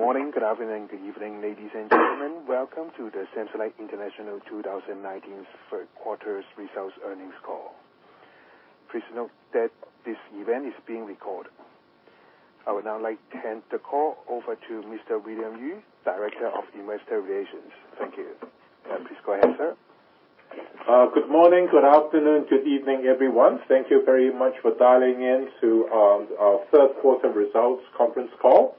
Good morning, good afternoon, good evening, ladies and gentlemen. Welcome to the Samsonite International 2019 third quarter results earnings call. Please note that this event is being recorded. I would now like hand the call over to Mr. William Yue, Director of Investor Relations. Thank you. Please go ahead, sir. Good morning, good afternoon, good evening, everyone. Thank you very much for dialing in to our third quarter results conference call.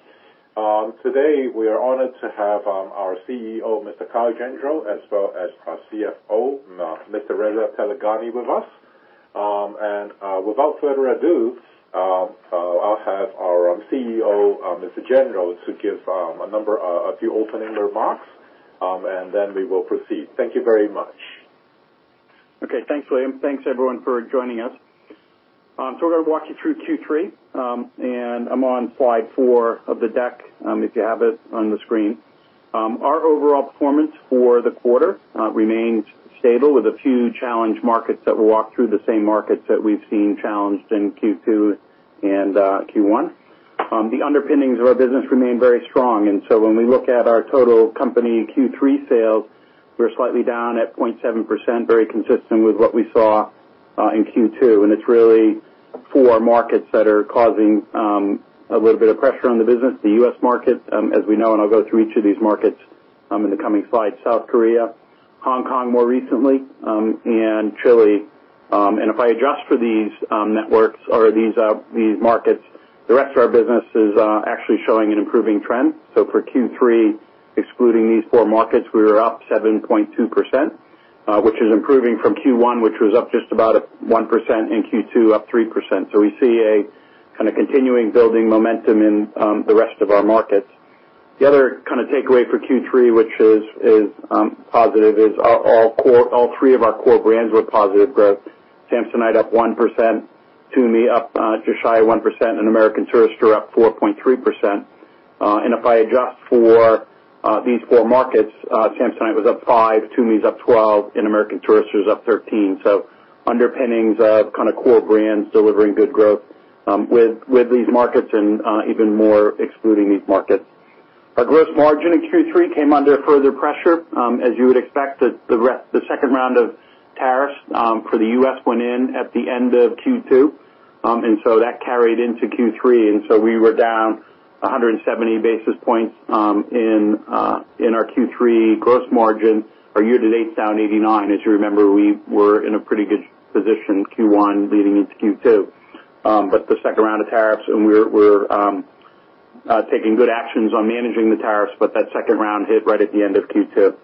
Today, we are honored to have our CEO, Mr. Kyle Gendreau, as well as our CFO, Mr. Reza Taleghani, with us. Without further ado, I'll have our CEO, Mr. Gendreau, to give a few opening remarks, and then we will proceed. Thank you very much. Thanks, William. Thanks, everyone, for joining us. We're going to walk you through Q3. I'm on slide four of the deck, if you have it on the screen. Our overall performance for the quarter remained stable with a few challenged markets that we'll walk through, the same markets that we've seen challenged in Q2 and Q1. The underpinnings of our business remain very strong. When we look at our total company Q3 sales, we're slightly down at 0.7%, very consistent with what we saw in Q2. It's really four markets that are causing a little bit of pressure on the business. The U.S. market, as we know, and I'll go through each of these markets in the coming slides, South Korea, Hong Kong, more recently, and Chile. If I adjust for these networks or these markets, the rest of our business is actually showing an improving trend. For Q3, excluding these four markets, we were up 7.2%, which is improving from Q1, which was up just about 1%, in Q2, up 3%. We see a kind of continuing building momentum in the rest of our markets. The other kind of takeaway for Q3, which is positive, is all three of our core brands were positive growth. Samsonite up 1%, TUMI up just shy of 1%, and American Tourister up 4.3%. If I adjust for these four markets, Samsonite was up 5%, TUMI is up 12%, and American Tourister is up 13%. Underpinnings of core brands delivering good growth with these markets and even more excluding these markets. Our gross margin in Q3 came under further pressure. As you would expect, the second round of tariffs for the U.S. went in at the end of Q2. That carried into Q3. We were down 170 basis points in our Q3 gross margin. Our year-to-date is down 89 basis points. As you remember, we were in a pretty good position Q1 leading into Q2. The second round of tariffs, and we're taking good actions on managing the tariffs, but that second round hit right at the end of Q2.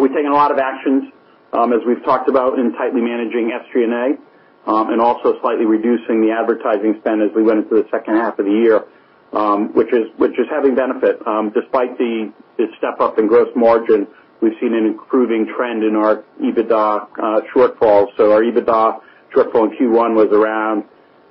We've taken a lot of actions, as we've talked about in tightly managing SG&A, and also slightly reducing the advertising spend as we went into the second half of the year, which is having benefit. Despite the step-up in gross margin, we've seen an improving trend in our EBITDA shortfall. Our EBITDA shortfall in Q1 was around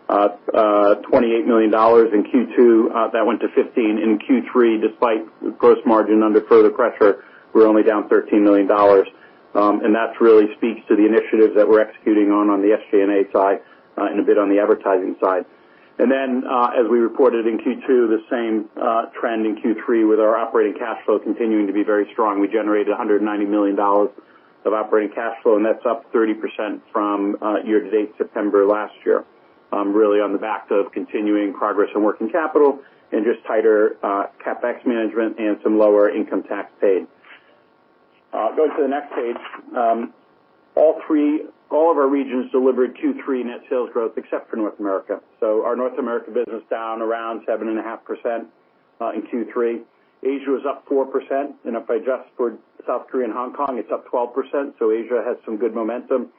$28 million. In Q2, that went to $15 million. In Q3, despite gross margin under further pressure, we're only down $13 million. That really speaks to the initiatives that we're executing on the SG&A side and a bit on the advertising side. As we reported in Q2, the same trend in Q3 with our operating cash flow continuing to be very strong. We generated $190 million of operating cash flow, and that's up 30% from year-to-date September last year, really on the back of continuing progress on working capital and just tighter CapEx management and some lower income tax paid. Going to the next page. All of our regions delivered Q3 net sales growth, except for North America. Our North America business down around 7.5% in Q3. Asia was up 4%, and if I adjust for South Korea and Hong Kong, it's up 12%. Asia has some good momentum.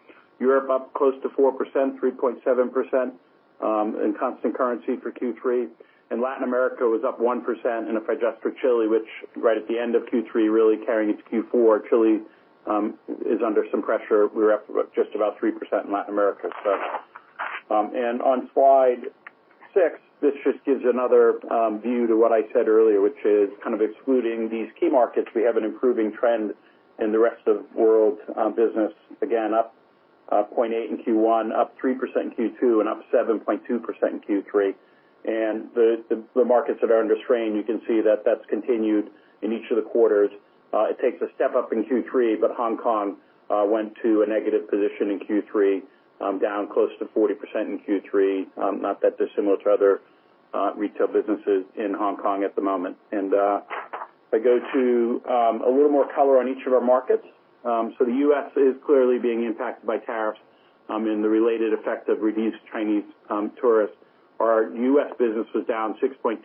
Europe up close to 4%, 3.7%, in constant currency for Q3. Latin America was up 1%, and if I adjust for Chile, which right at the end of Q3 really carrying into Q4, Chile is under some pressure. We were up just about 3% in Latin America. On slide six, this just gives another view to what I said earlier, which is kind of excluding these key markets. We have an improving trend in the rest of world business. Again, up 0.8% in Q1, up 3% in Q2, and up 7.2% in Q3. The markets that are under strain, you can see that that's continued in each of the quarters. It takes a step up in Q3, but Hong Kong went to a negative position in Q3, down close to 40% in Q3. Not that dissimilar to other retail businesses in Hong Kong at the moment. If I go to a little more color on each of our markets. The U.S. is clearly being impacted by tariffs and the related effect of reduced Chinese tourists. Our U.S. business was down 6.2%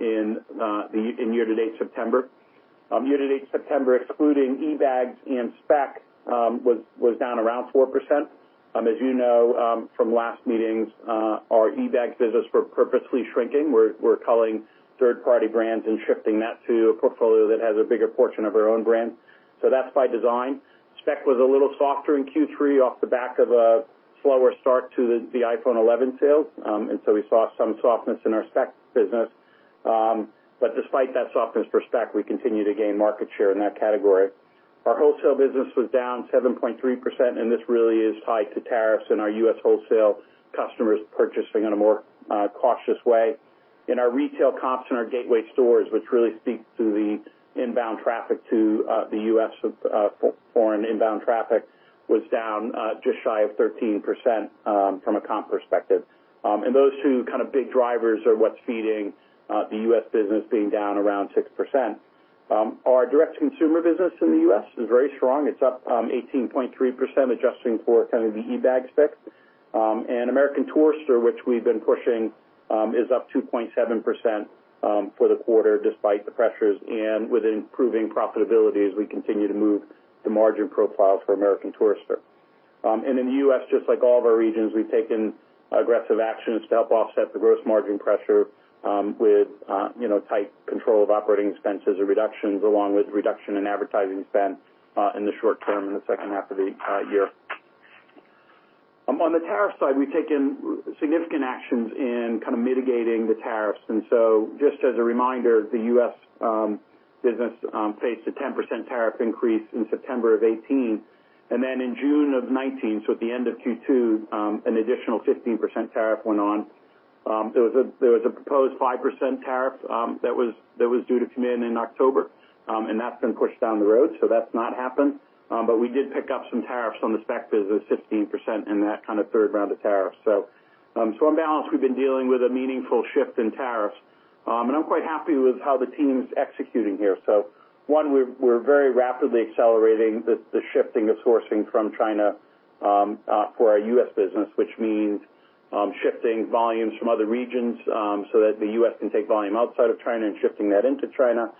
in year-to-date September. Year-to-date September, excluding eBags and Speck, was down around 4%. As you know from last meetings, our eBags business, we're purposely shrinking. We're culling third-party brands and shifting that to a portfolio that has a bigger portion of our own brand. That's by design. Speck was a little softer in Q3 off the back of a slower start to the iPhone 11 sales. We saw some softness in our Speck business. Despite that softness for Speck, we continue to gain market share in that category. Our wholesale business was down 7.3%, and this really is tied to tariffs and our U.S. wholesale customers purchasing in a more cautious way. Our retail comps in our gateway stores, which really speak to the inbound traffic to the U.S., foreign inbound traffic was down just shy of 13% from a comp perspective. Those two big drivers are what's feeding the U.S. business being down around 6%. Our direct-to-consumer business in the U.S. is very strong. It's up 18.3%, adjusting for the eBags pick. American Tourister, which we've been pushing, is up 2.7% for the quarter despite the pressures and with improving profitability as we continue to move the margin profile for American Tourister. In the U.S., just like all of our regions, we've taken aggressive actions to help offset the gross margin pressure with tight control of OpEx or reductions along with a reduction in advertising spend in the short term in the second half of the year. On the tariff side, we've taken significant actions in mitigating the tariffs. Just as a reminder, the U.S. business faced a 10% tariff increase in September of 2018. In June of 2019, so at the end of Q2, an additional 15% tariff went on. There was a proposed 5% tariff that was due to come in in October, and that's been pushed down the road, so that's not happened. We did pick up some tariffs on the Speck business, 15% in that third round of tariffs. On balance, we've been dealing with a meaningful shift in tariffs. I'm quite happy with how the team's executing here. one, we're very rapidly accelerating the shifting of sourcing from China for our U.S. business, which means shifting volumes from other regions so that the U.S. can take volume outside of China and shifting that into China.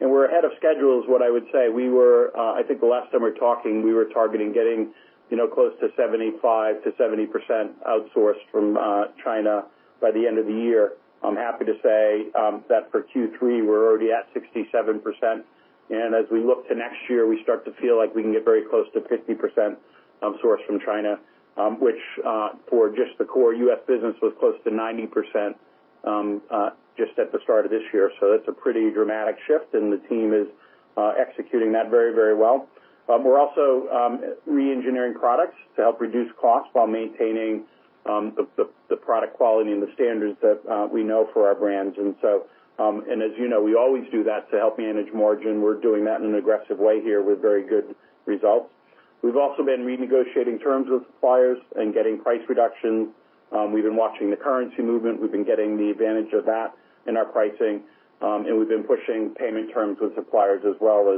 We're ahead of schedule is what I would say. I think the last time we were talking, we were targeting getting close to 75%-70% outsourced from China by the end of the year. I'm happy to say that for Q3, we're already at 67%. As we look to next year, we start to feel like we can get very close to 50% outsourced from China, which for just the core U.S. business was close to 90% just at the start of this year. That's a pretty dramatic shift, and the team is executing that very well. We're also re-engineering products to help reduce costs while maintaining the product quality and the standards that we know for our brands. As you know, we always do that to help manage margin. We're doing that in an aggressive way here with very good results. We've also been renegotiating terms with suppliers and getting price reductions. We've been watching the currency movement. We've been getting the advantage of that in our pricing. We've been pushing payment terms with suppliers as well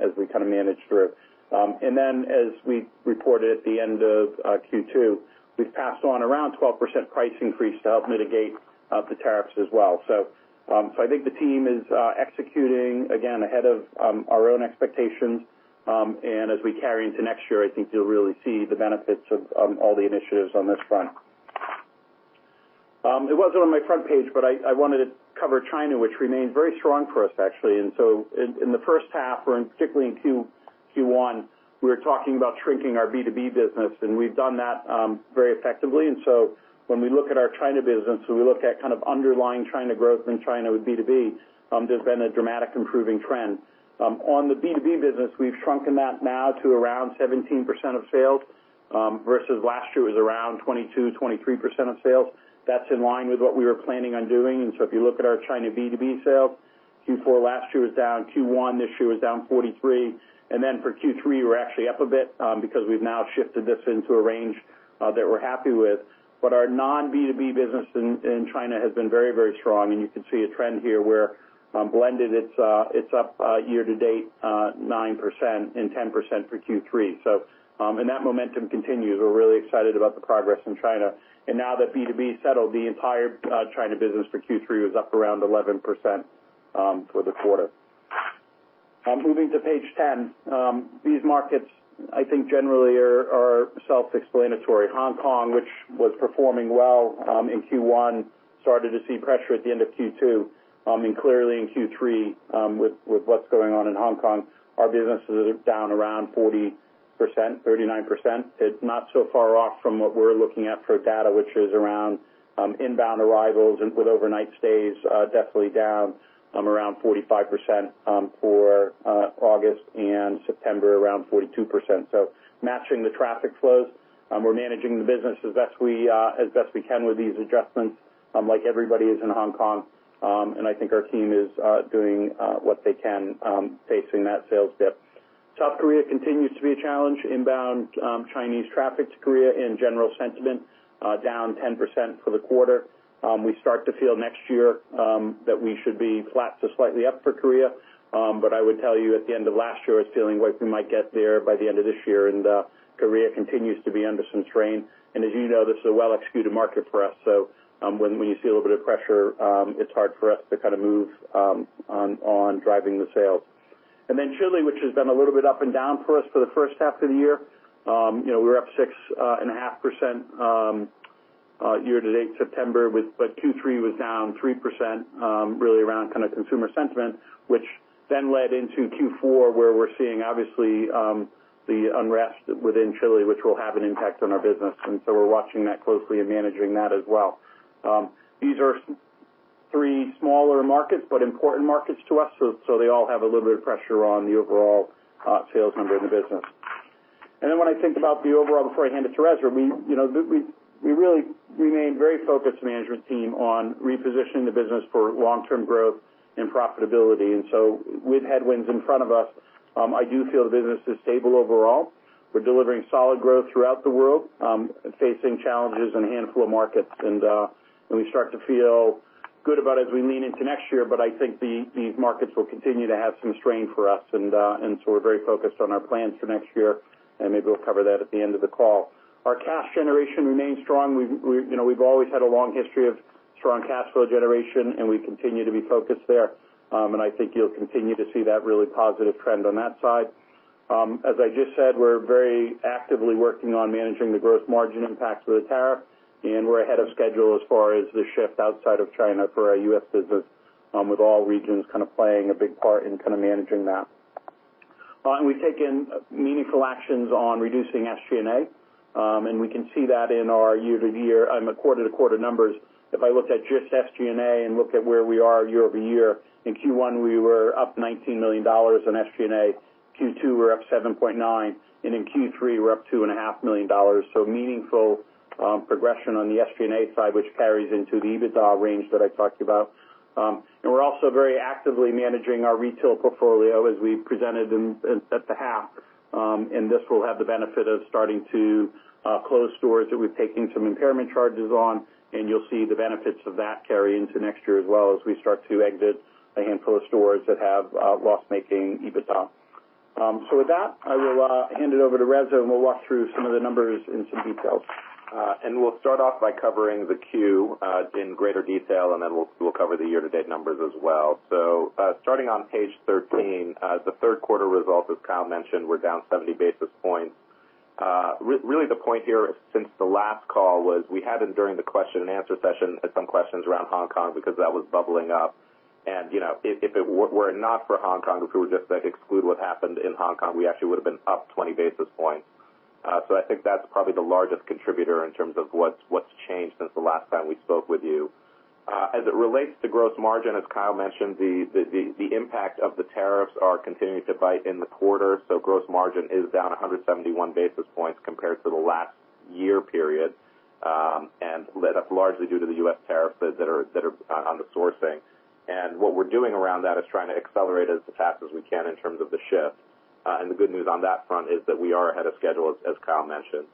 as we manage through. As we reported at the end of Q2, we've passed on around a 12% price increase to help mitigate the tariffs as well. I think the team is executing, again, ahead of our own expectations. As we carry into next year, I think you'll really see the benefits of all the initiatives on this front. It wasn't on my front page, but I wanted to cover China, which remained very strong for us, actually. In the first half, or particularly in Q1, we were talking about shrinking our B2B business, and we've done that very effectively. When we look at our China business and we look at underlying China growth in China with B2B, there's been a dramatic improving trend. On the B2B business, we've shrunken that now to around 17% of sales versus last year was around 22%, 23% of sales. That's in line with what we were planning on doing. If you look at our China B2B sales, Q4 last year was down, Q1 this year was down 43%. For Q3, we're actually up a bit because we've now shifted this into a range that we're happy with. Our non-B2B business in China has been very strong, and you can see a trend here where blended, it's up year to date 9% and 10% for Q3. That momentum continues. We're really excited about the progress in China. Now that B2B is settled, the entire China business for Q3 was up around 11% for the quarter. Moving to page 10. These markets, I think, generally are self-explanatory. Hong Kong, which was performing well in Q1, started to see pressure at the end of Q2. Clearly in Q3, with what's going on in Hong Kong, our business is down around 40%, 39%. It's not so far off from what we're looking at for data, which is around inbound arrivals with overnight stays definitely down around 45% for August and September, around 42%. Matching the traffic flows. We're managing the business as best we can with these adjustments, like everybody is in Hong Kong. I think our team is doing what they can pacing that sales dip. South Korea continues to be a challenge. Inbound Chinese traffic to Korea and general sentiment down 10% for the quarter. We start to feel next year that we should be flat to slightly up for Korea. I would tell you at the end of last year, I was feeling like we might get there by the end of this year, and Korea continues to be under some strain. As you know, this is a well-executed market for us. When you see a little bit of pressure, it's hard for us to move on driving the sales. Then Chile, which has been a little bit up and down for us for the first half of the year. We were up 6.5% year to date September, but Q3 was down 3%, really around consumer sentiment, which then led into Q4, where we're seeing, obviously, the unrest within Chile, which will have an impact on our business. So we're watching that closely and managing that as well. These are three smaller markets, but important markets to us. So they all have a little bit of pressure on the overall sales number in the business. Then when I think about the overall, before I hand it to Reza, we remained a very focused management team on repositioning the business for long-term growth and profitability. So with headwinds in front of us, I do feel the business is stable overall. We're delivering solid growth throughout the world, facing challenges in a handful of markets, we start to feel good about as we lean into next year. I think these markets will continue to have some strain for us. We're very focused on our plans for next year, and maybe we'll cover that at the end of the call. Our cash generation remains strong. We've always had a long history of strong cash flow generation, and we continue to be focused there. I think you'll continue to see that really positive trend on that side. As I just said, we're very actively working on managing the gross margin impacts of the tariff, and we're ahead of schedule as far as the shift outside of China for our U.S. business, with all regions playing a big part in managing that. We've taken meaningful actions on reducing SG&A, and we can see that in our quarter-to-quarter numbers. If I looked at just SG&A and look at where we are year-over-year, in Q1, we were up $19 million in SG&A. Q2, we're up 7.9, and in Q3, we're up $2.5 million. Meaningful progression on the SG&A side, which carries into the EBITDA range that I talked about. We're also very actively managing our retail portfolio as we presented at the half. This will have the benefit of starting to close stores that we've taken some impairment charges on, and you'll see the benefits of that carry into next year as well as we start to exit a handful of stores that have loss-making EBITDA. With that, I will hand it over to Reza, and we'll walk through some of the numbers in some detail. We'll start off by covering the Q in greater detail, then we'll cover the year-to-date numbers as well. Starting on page 13, the third quarter results, as Kyle mentioned, were down 70 basis points. Really the point here is since the last call was, we had during the question and answer session had some questions around Hong Kong because that was bubbling up. If it were not for Hong Kong, if we would just exclude what happened in Hong Kong, we actually would've been up 20 basis points. I think that's probably the largest contributor in terms of what's changed since the last time we spoke with you. As it relates to gross margin, as Kyle mentioned, the impact of the tariffs are continuing to bite in the quarter. Gross margin is down 171 basis points compared to the last year period, led up largely due to the U.S. tariffs that are on the sourcing. What we're doing around that is trying to accelerate as fast as we can in terms of the shift. The good news on that front is that we are ahead of schedule, as Kyle mentioned.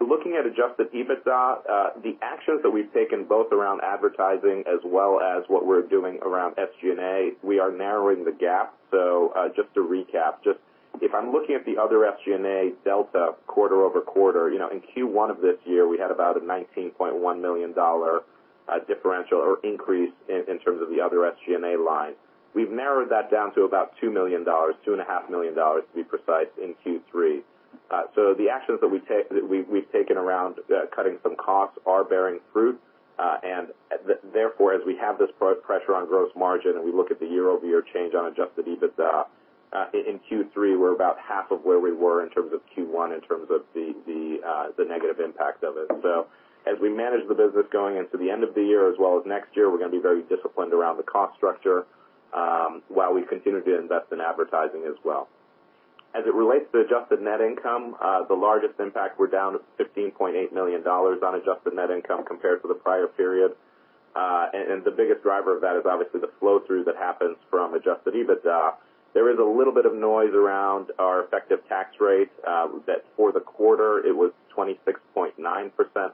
Looking at adjusted EBITDA, the actions that we've taken both around advertising as well as what we're doing around SG&A, we are narrowing the gap. Just to recap, if I'm looking at the other SG&A delta quarter-over-quarter, in Q1 of this year, we had about a $19.1 million differential or increase in terms of the other SG&A line. We've narrowed that down to about $2 million, $2.5 million to be precise, in Q3. The actions that we've taken around cutting some costs are bearing fruit. Therefore, as we have this pressure on gross margin and we look at the year-over-year change on adjusted EBITDA, in Q3, we're about half of where we were in terms of Q1 in terms of the negative impact of it. As we manage the business going into the end of the year as well as next year, we're going to be very disciplined around the cost structure, while we continue to invest in advertising as well. As it relates to adjusted net income, the largest impact, we're down to $15.8 million on adjusted net income compared to the prior period. The biggest driver of that is obviously the flow-through that happens from adjusted EBITDA. There is a little bit of noise around our Effective Tax Rate, that for the quarter, it was 26.9%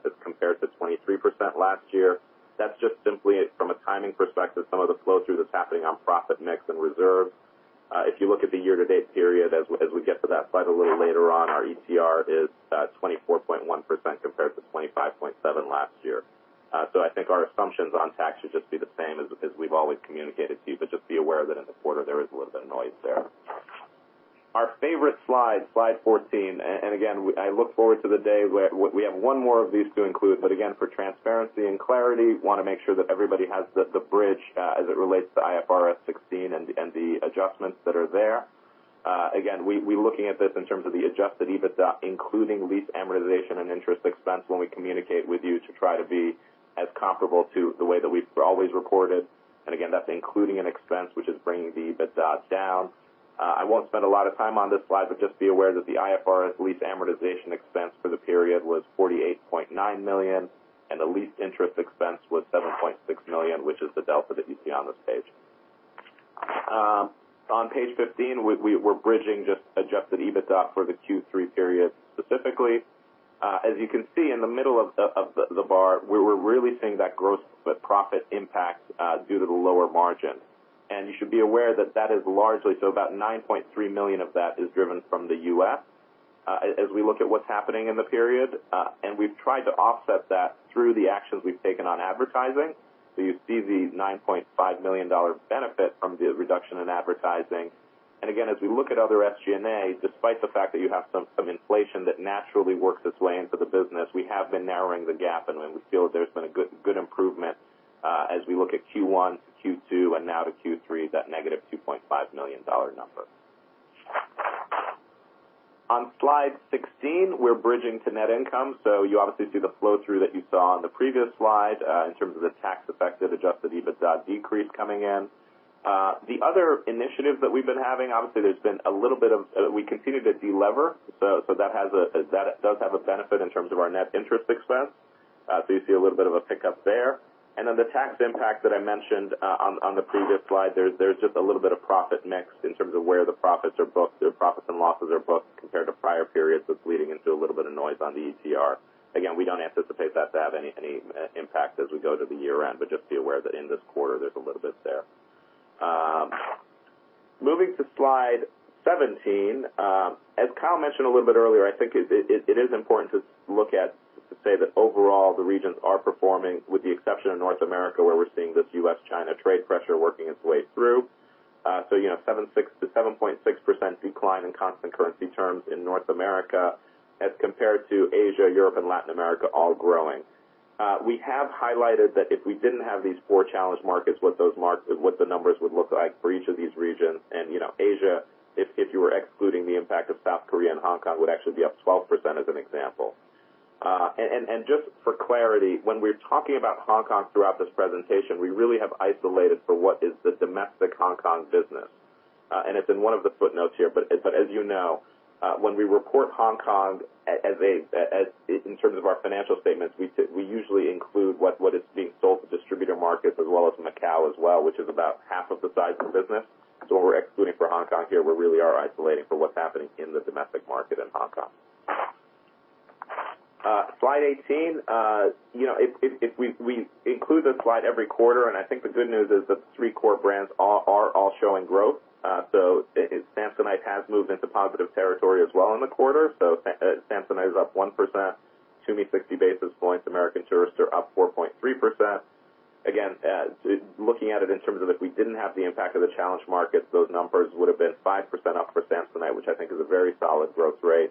as compared to 23% last year. That's just simply from a timing perspective, some of the flow-through that's happening on profit mix and reserves. If you look at the year-to-date period, as we get to that slide a little later on, our ETR is 24.1% compared to 25.7% last year. I think our assumptions on tax should just be the same as we've always communicated to you. Just be aware that in the quarter, there is a little bit of noise there. Our favorite slide 14. Again, I look forward to the day where we have one more of these to include. Again, for transparency and clarity, want to make sure that everybody has the bridge as it relates to IFRS 16 and the adjustments that are there. Again, we're looking at this in terms of the adjusted EBITDA, including lease amortization and interest expense when we communicate with you to try to be as comparable to the way that we've always recorded. Again, that's including an expense, which is bringing the EBITDA down. I won't spend a lot of time on this slide, but just be aware that the IFRS lease amortization expense for the period was $48.9 million, and the lease interest expense was $7.6 million, which is the delta that you see on this page. On page 15, we're bridging just adjusted EBITDA for the Q3 period, specifically. As you can see in the middle of the bar, we were really seeing that gross profit impact due to the lower margin. You should be aware that that is largely, so about $9.3 million of that is driven from the U.S. as we look at what's happening in the period. We've tried to offset that through the actions we've taken on advertising. You see the $9.5 million benefit from the reduction in advertising. Again, as we look at other SG&A, despite the fact that you have some inflation that naturally works its way into the business, we have been narrowing the gap, and we feel that there's been a good improvement as we look at Q1 to Q2 and now to Q3, that negative $2.5 million number. On slide 16, we're bridging to net income. You obviously see the flow-through that you saw on the previous slide in terms of the tax effect of adjusted EBITDA decrease coming in. The other initiatives that we've been having, obviously, we continue to de-lever. That does have a benefit in terms of our net interest expense. You see a little bit of a pickup there. Then the tax impact that I mentioned on the previous slide, there's just a little bit of profit mix in terms of where the profits and losses are booked compared to prior periods. It's leading into a little bit of noise on the ETR. We don't anticipate that to have any impact as we go to the year-end, but just be aware that in this quarter, there's a little bit there. Moving to slide 17. As Kyle mentioned a little bit earlier, I think it is important to say that overall the regions are performing, with the exception of North America, where we're seeing this U.S.-China trade pressure working its way through. 7.6% decline in constant currency terms in North America as compared to Asia, Europe, and Latin America all growing. We have highlighted that if we didn't have these four challenged markets, what the numbers would look like for each of these regions. Asia, if you were excluding the impact of South Korea and Hong Kong, would actually be up 12% as an example. Just for clarity, when we're talking about Hong Kong throughout this presentation, we really have isolated for what is the domestic Hong Kong business. It's in one of the footnotes here, but as you know, when we report Hong Kong in terms of our financial statements, we usually include what is being sold to distributor markets as well as Macau as well, which is about half of the size of the business. When we're excluding for Hong Kong here, we really are isolating for what's happening in the domestic market in Hong Kong. Slide 18. We include this slide every quarter, and I think the good news is the three core brands are all showing growth. Samsonite has moved into positive territory as well in the quarter. Samsonite is up 1%, TUMI 60 basis points. American Tourister up 4.3%. Looking at it in terms of if we didn't have the impact of the challenged markets, those numbers would've been 5% up for Samsonite, which I think is a very solid growth rate.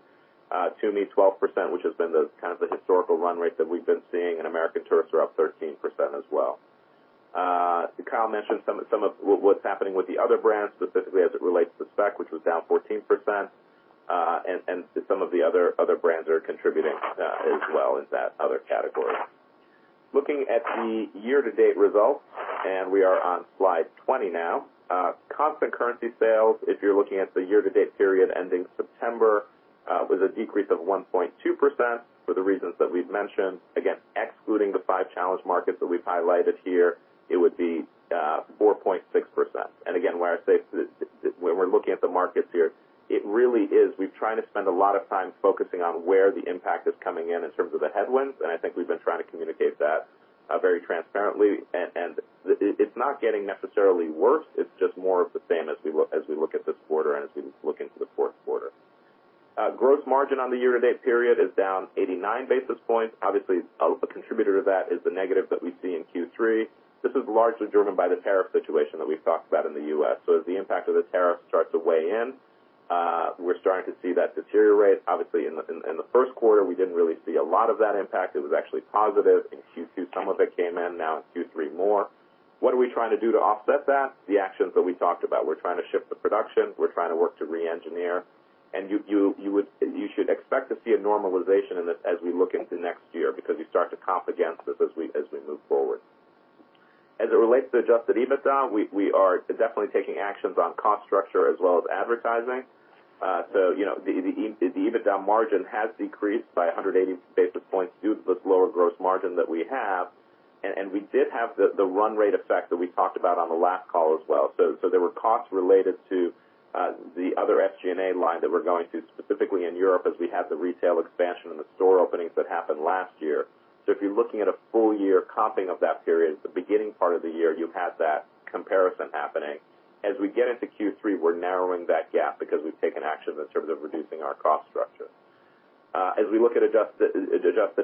TUMI, 12%, which has been the historical run rate that we've been seeing. American Tourister up 13% as well. Kyle mentioned some of what's happening with the other brands, specifically as it relates to Speck, which was down 14%. Some of the other brands are contributing as well in that other category. Looking at the year-to-date results, we are on slide 20 now. Constant currency sales, if you're looking at the year-to-date period ending September, was a decrease of 1.2% for the reasons that we've mentioned. Excluding the five challenged markets that we've highlighted here, it would be 4.6%. Again, when we're looking at the markets here, we've tried to spend a lot of time focusing on where the impact is coming in terms of the headwinds, and I think we've been trying to communicate that very transparently. It's not getting necessarily worse, it's just more of the same as we look at this quarter and as we look into the fourth quarter. Gross margin on the year-to-date period is down 89 basis points. Obviously, a contributor to that is the negative that we see in Q3. This is largely driven by the tariff situation that we've talked about in the U.S. As the impact of the tariffs starts to weigh in, we're starting to see that deteriorate. Obviously, in the first quarter, we didn't really see a lot of that impact. It was actually positive in Q2. Some of it came in now in Q3 more. What are we trying to do to offset that? The actions that we talked about. We're trying to shift the production. We're trying to work to re-engineer, you should expect to see a normalization in this as we look into next year because you start to comp against this as we move forward. As it relates to adjusted EBITDA, we are definitely taking actions on cost structure as well as advertising. The EBITDA margin has decreased by 180 basis points due to this lower gross margin that we have, and we did have the run rate effect that we talked about on the last call as well. There were costs related to the other SG&A line that we're going through, specifically in Europe, as we had the retail expansion and the store openings that happened last year. If you're looking at a full-year comping of that period, the beginning part of the year, you had that comparison happening. As we get into Q3, we're narrowing that gap because we've taken action in terms of reducing our cost structure. As we look at adjusted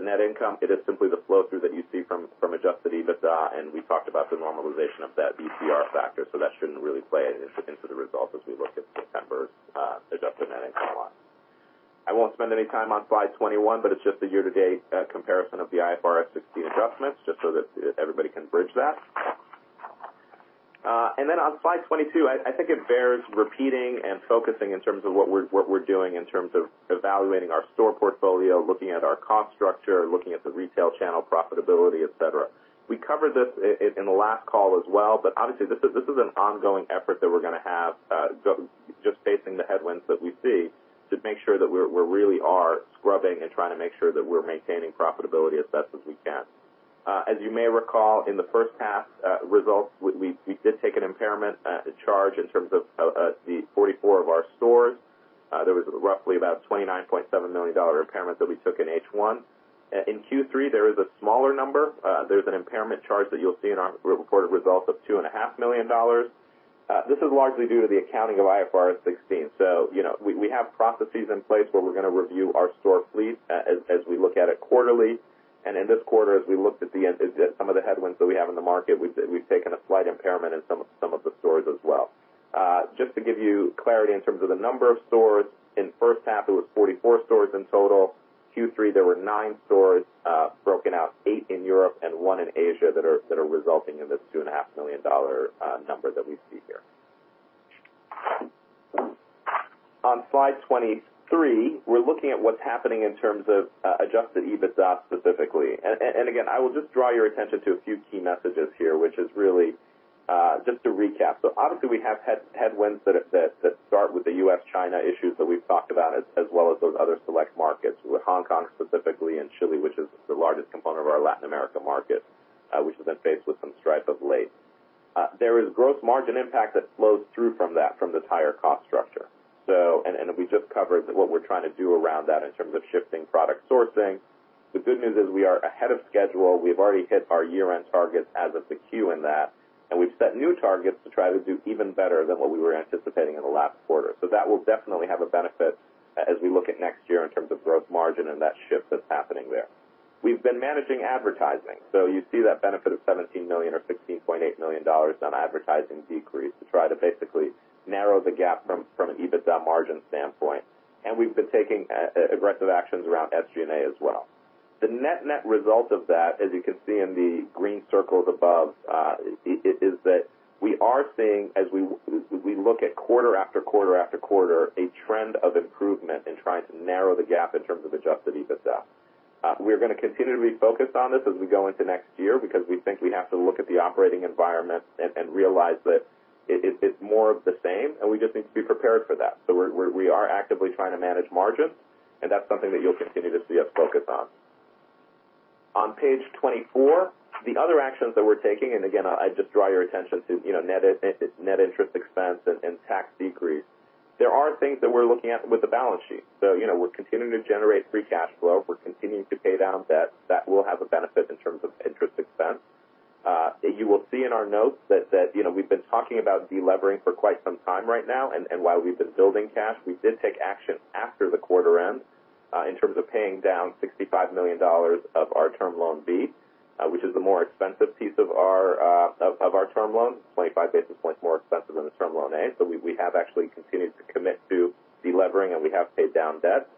net income, it is simply the flow-through that you see from adjusted EBITDA, and we talked about the normalization of that ETR factor. That shouldn't really play into the results as we look at September's adjusted net income line. I won't spend any time on slide 21, but it's just a year-to-date comparison of the IFRS 16 adjustments, just so that everybody can bridge that. On slide 22, I think it bears repeating and focusing in terms of what we're doing in terms of evaluating our store portfolio, looking at our cost structure, looking at the retail channel profitability, et cetera. We covered this in the last call as well, obviously this is an ongoing effort that we're going to have, just facing the headwinds that we see to make sure that we really are scrubbing and trying to make sure that we're maintaining profitability as best as we can. As you may recall, in the first half results, we did take an impairment charge in terms of the 44 of our stores. There was roughly about $29.7 million impairment that we took in H1. In Q3, there is a smaller number. There's an impairment charge that you'll see in our reported results of $2.5 million. This is largely due to the accounting of IFRS 16. We have processes in place where we're going to review our store fleet as we look at it quarterly. In this quarter, as we looked at some of the headwinds that we have in the market, we've taken a slight impairment in some of the stores as well. Just to give you clarity in terms of the number of stores, in the first half, it was 44 stores in total. Q3, there were nine stores broken out, eight in Europe and one in Asia, that are resulting in this $2.5 million number that we see here. On slide 23, we're looking at what's happening in terms of adjusted EBITDA specifically. Again, I will just draw your attention to a few key messages here, which is really just to recap. Obviously, we have had headwinds that start with the U.S.-China issues that we've talked about, as well as those other select markets with Hong Kong specifically and Chile, which is the largest component of our Latin America market, which has been faced with some strife of late. There is gross margin impact that flows through from that, from this higher cost structure. We just covered what we're trying to do around that in terms of shifting product sourcing. The good news is we are ahead of schedule. We've already hit our year-end targets as of the Q in that, we've set new targets to try to do even better than what we were anticipating in the last quarter. That will definitely have a benefit as we look at next year in terms of gross margin and that shift that's happening there. We've been managing advertising. You see that benefit of $17 million or $16.8 million on advertising decrease to try to basically narrow the gap from an EBITDA margin standpoint. We've been taking aggressive actions around SG&A as well. The net-net result of that, as you can see in the green circles above, is that we are seeing as we look at quarter, after quarter, after quarter, a trend of improvement in trying to narrow the gap in terms of adjusted EBITDA. We're going to continue to be focused on this as we go into next year, because we think we have to look at the operating environment and realize that it's more of the same, and we just need to be prepared for that. We are actively trying to manage margins, and that's something that you'll continue to see us focus on. On page 24, the other actions that we're taking, again, I just draw your attention to net interest expense and tax decrease. There are things that we're looking at with the balance sheet. We're continuing to generate free cash flow. We're continuing to pay down debt. That will have a benefit in terms of interest expense. You will see in our notes that we've been talking about de-levering for quite some time right now. While we've been building cash, we did take action after the quarter end in terms of paying down $65 million of our Term Loan B, which is the more expensive piece of our term loan, 25 basis points more expensive than the Term Loan A. We have actually continued to commit to de-levering, and we have paid down debt.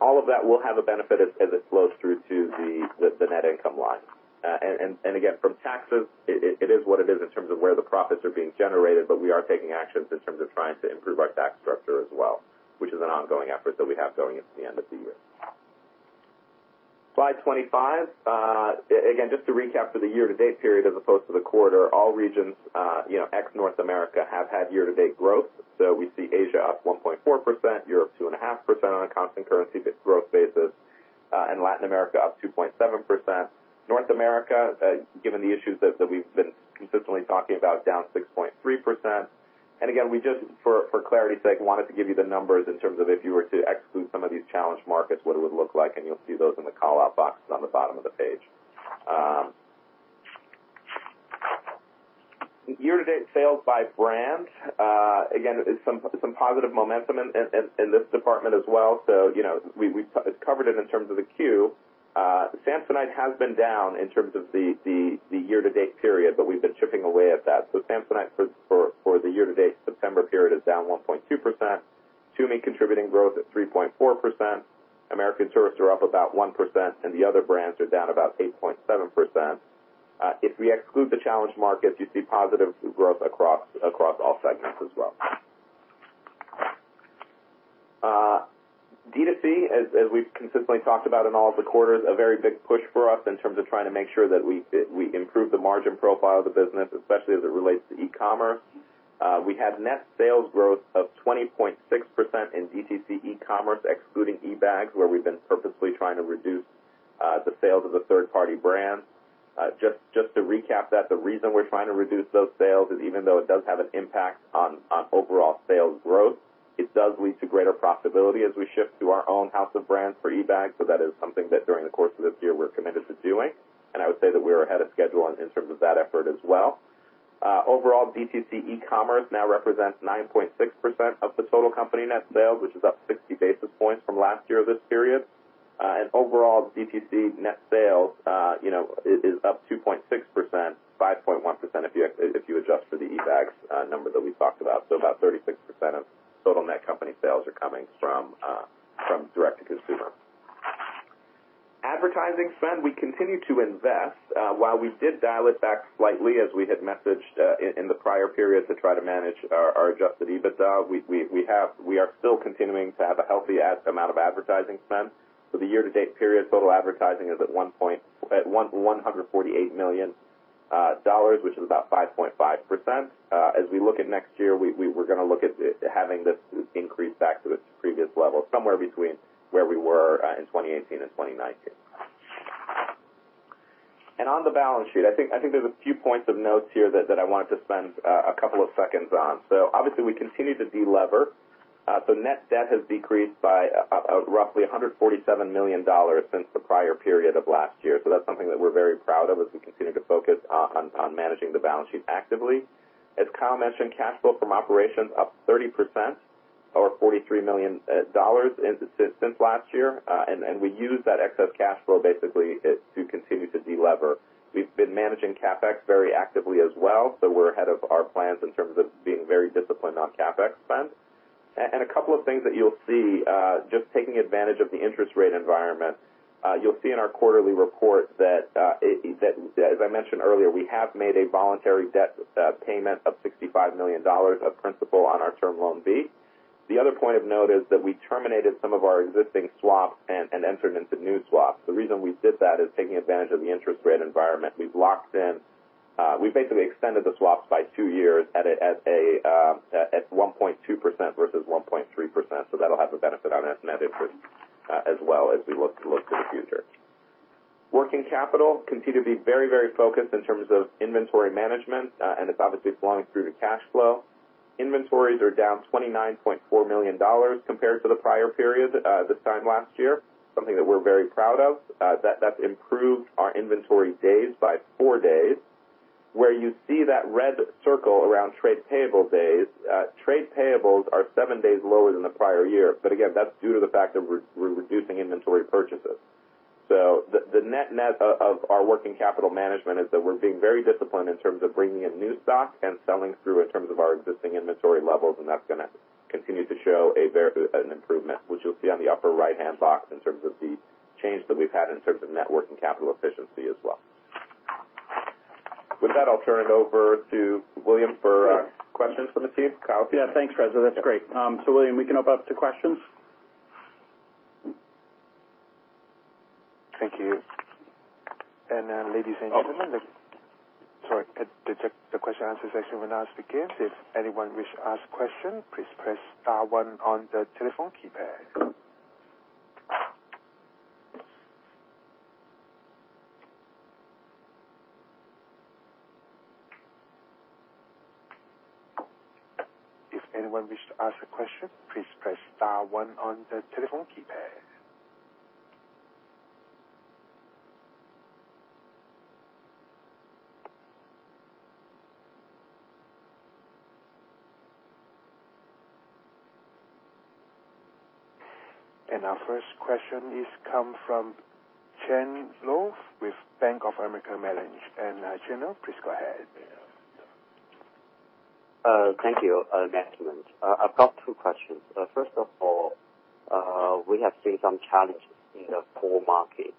All of that will have a benefit as it flows through to the net income line. Again, from taxes, it is what it is in terms of where the profits are being generated, but we are taking actions in terms of trying to improve our tax structure as well, which is an ongoing effort that we have going into the end of the year. Slide 25. Again, just to recap for the year-to-date period as opposed to the quarter, all regions ex North America have had year-to-date growth. We see Asia up 1.4%, Europe 2.5% on a constant currency growth basis, and Latin America up 2.7%. North America, given the issues that we've been consistently talking about, down 6.3%. Again, we just, for clarity's sake, wanted to give you the numbers in terms of if you were to exclude some of these challenged markets, what it would look like, and you will see those in the callout boxes on the bottom of the page. Year-to-date sales by brand. Some positive momentum in this department as well. We covered it in terms of the Q. Samsonite has been down in terms of the year-to-date period, we have been chipping away at that. Samsonite for the year-to-date September period is down 1.2%. TUMI contributing growth at 3.4%. American Tourister are up about 1%, the other brands are down about 8.7%. If we exclude the challenged markets, you see positive growth across all segments as well. D2C, as we've consistently talked about in all of the quarters, a very big push for us in terms of trying to make sure that we improve the margin profile of the business, especially as it relates to e-commerce. We had net sales growth of 20.6% in D2C e-commerce, excluding eBags, where we've been purposely trying to reduce the sales of the third-party brands. Just to recap that, the reason we're trying to reduce those sales is even though it does have an impact on overall sales growth, it does lead to greater profitability as we shift to our own house of brands for eBags. That is something that during the course of this year, we're committed to doing. I would say that we're ahead of schedule in terms of that effort as well. Overall, D2C e-commerce now represents 9.6% of the total company net sales, which is up 60 basis points from last year this period. Overall D2C net sales is up 2.6%, 5.1% if you adjust for the eBags number that we talked about. About 36% of total net company sales are coming from direct-to-consumer. Advertising spend, we continue to invest. While we did dial it back slightly as we had messaged in the prior period to try to manage our adjusted EBITDA, we are still continuing to have a healthy amount of advertising spend. The year-to-date period, total advertising is at $148 million, which is about 5.5%. As we look at next year, we were going to look at having this increase back to its previous level, somewhere between where we were in 2018 and 2019. On the balance sheet, I think there's a few points of notes here that I wanted to spend a couple of seconds on. Obviously, we continue to de-lever. Net debt has decreased by roughly $147 million since the prior period of last year. That's something that we're very proud of as we continue to focus on managing the balance sheet actively. As Kyle mentioned, cash flow from operations up 30% or $43 million since last year. We use that excess cash flow basically to continue to de-lever. We've been managing CapEx very actively as well. We're ahead of our plans in terms of being very disciplined on CapEx spend. A couple of things that you'll see, just taking advantage of the interest rate environment. You'll see in our quarterly report that, as I mentioned earlier, we have made a voluntary debt payment of $65 million of principal on our Term Loan B. The other point of note is that we terminated some of our existing swaps and entered into new swaps. The reason we did that is taking advantage of the interest rate environment. We've basically extended the swaps by two years at 1.2% versus 1.3%, that'll have a benefit on net interest as well as we look to the future. Working capital continue to be very focused in terms of inventory management, it's obviously flowing through to cash flow. Inventories are down $29.4 million compared to the prior period this time last year, something that we're very proud of. That's improved our inventory days by four days. Where you see that red circle around trade payable days, trade payables are seven days lower than the prior year. Again, that's due to the fact that we're reducing inventory purchases. The net-net of our working capital management is that we're being very disciplined in terms of bringing in new stock and selling through in terms of our existing inventory levels, and that's going to continue to show an improvement, which you'll see on the upper right-hand box in terms of the change that we've had in terms of net working capital efficiency as well. With that, I'll turn it over to William for questions from the team. Kyle? Thanks, Reza. That's great. William, we can open up to questions. Thank you. The question answer session will now begin. If anyone wish to ask a question, please press star one on the telephone keypad. If anyone wish to ask a question, please press star one on the telephone keypad. Our first question is come from Chen Luo with Bank of America Merrill Lynch. Chen Luo, please go ahead. Thank you. Gentlemen. I've got two questions. First of all, we have seen some challenges in the core markets,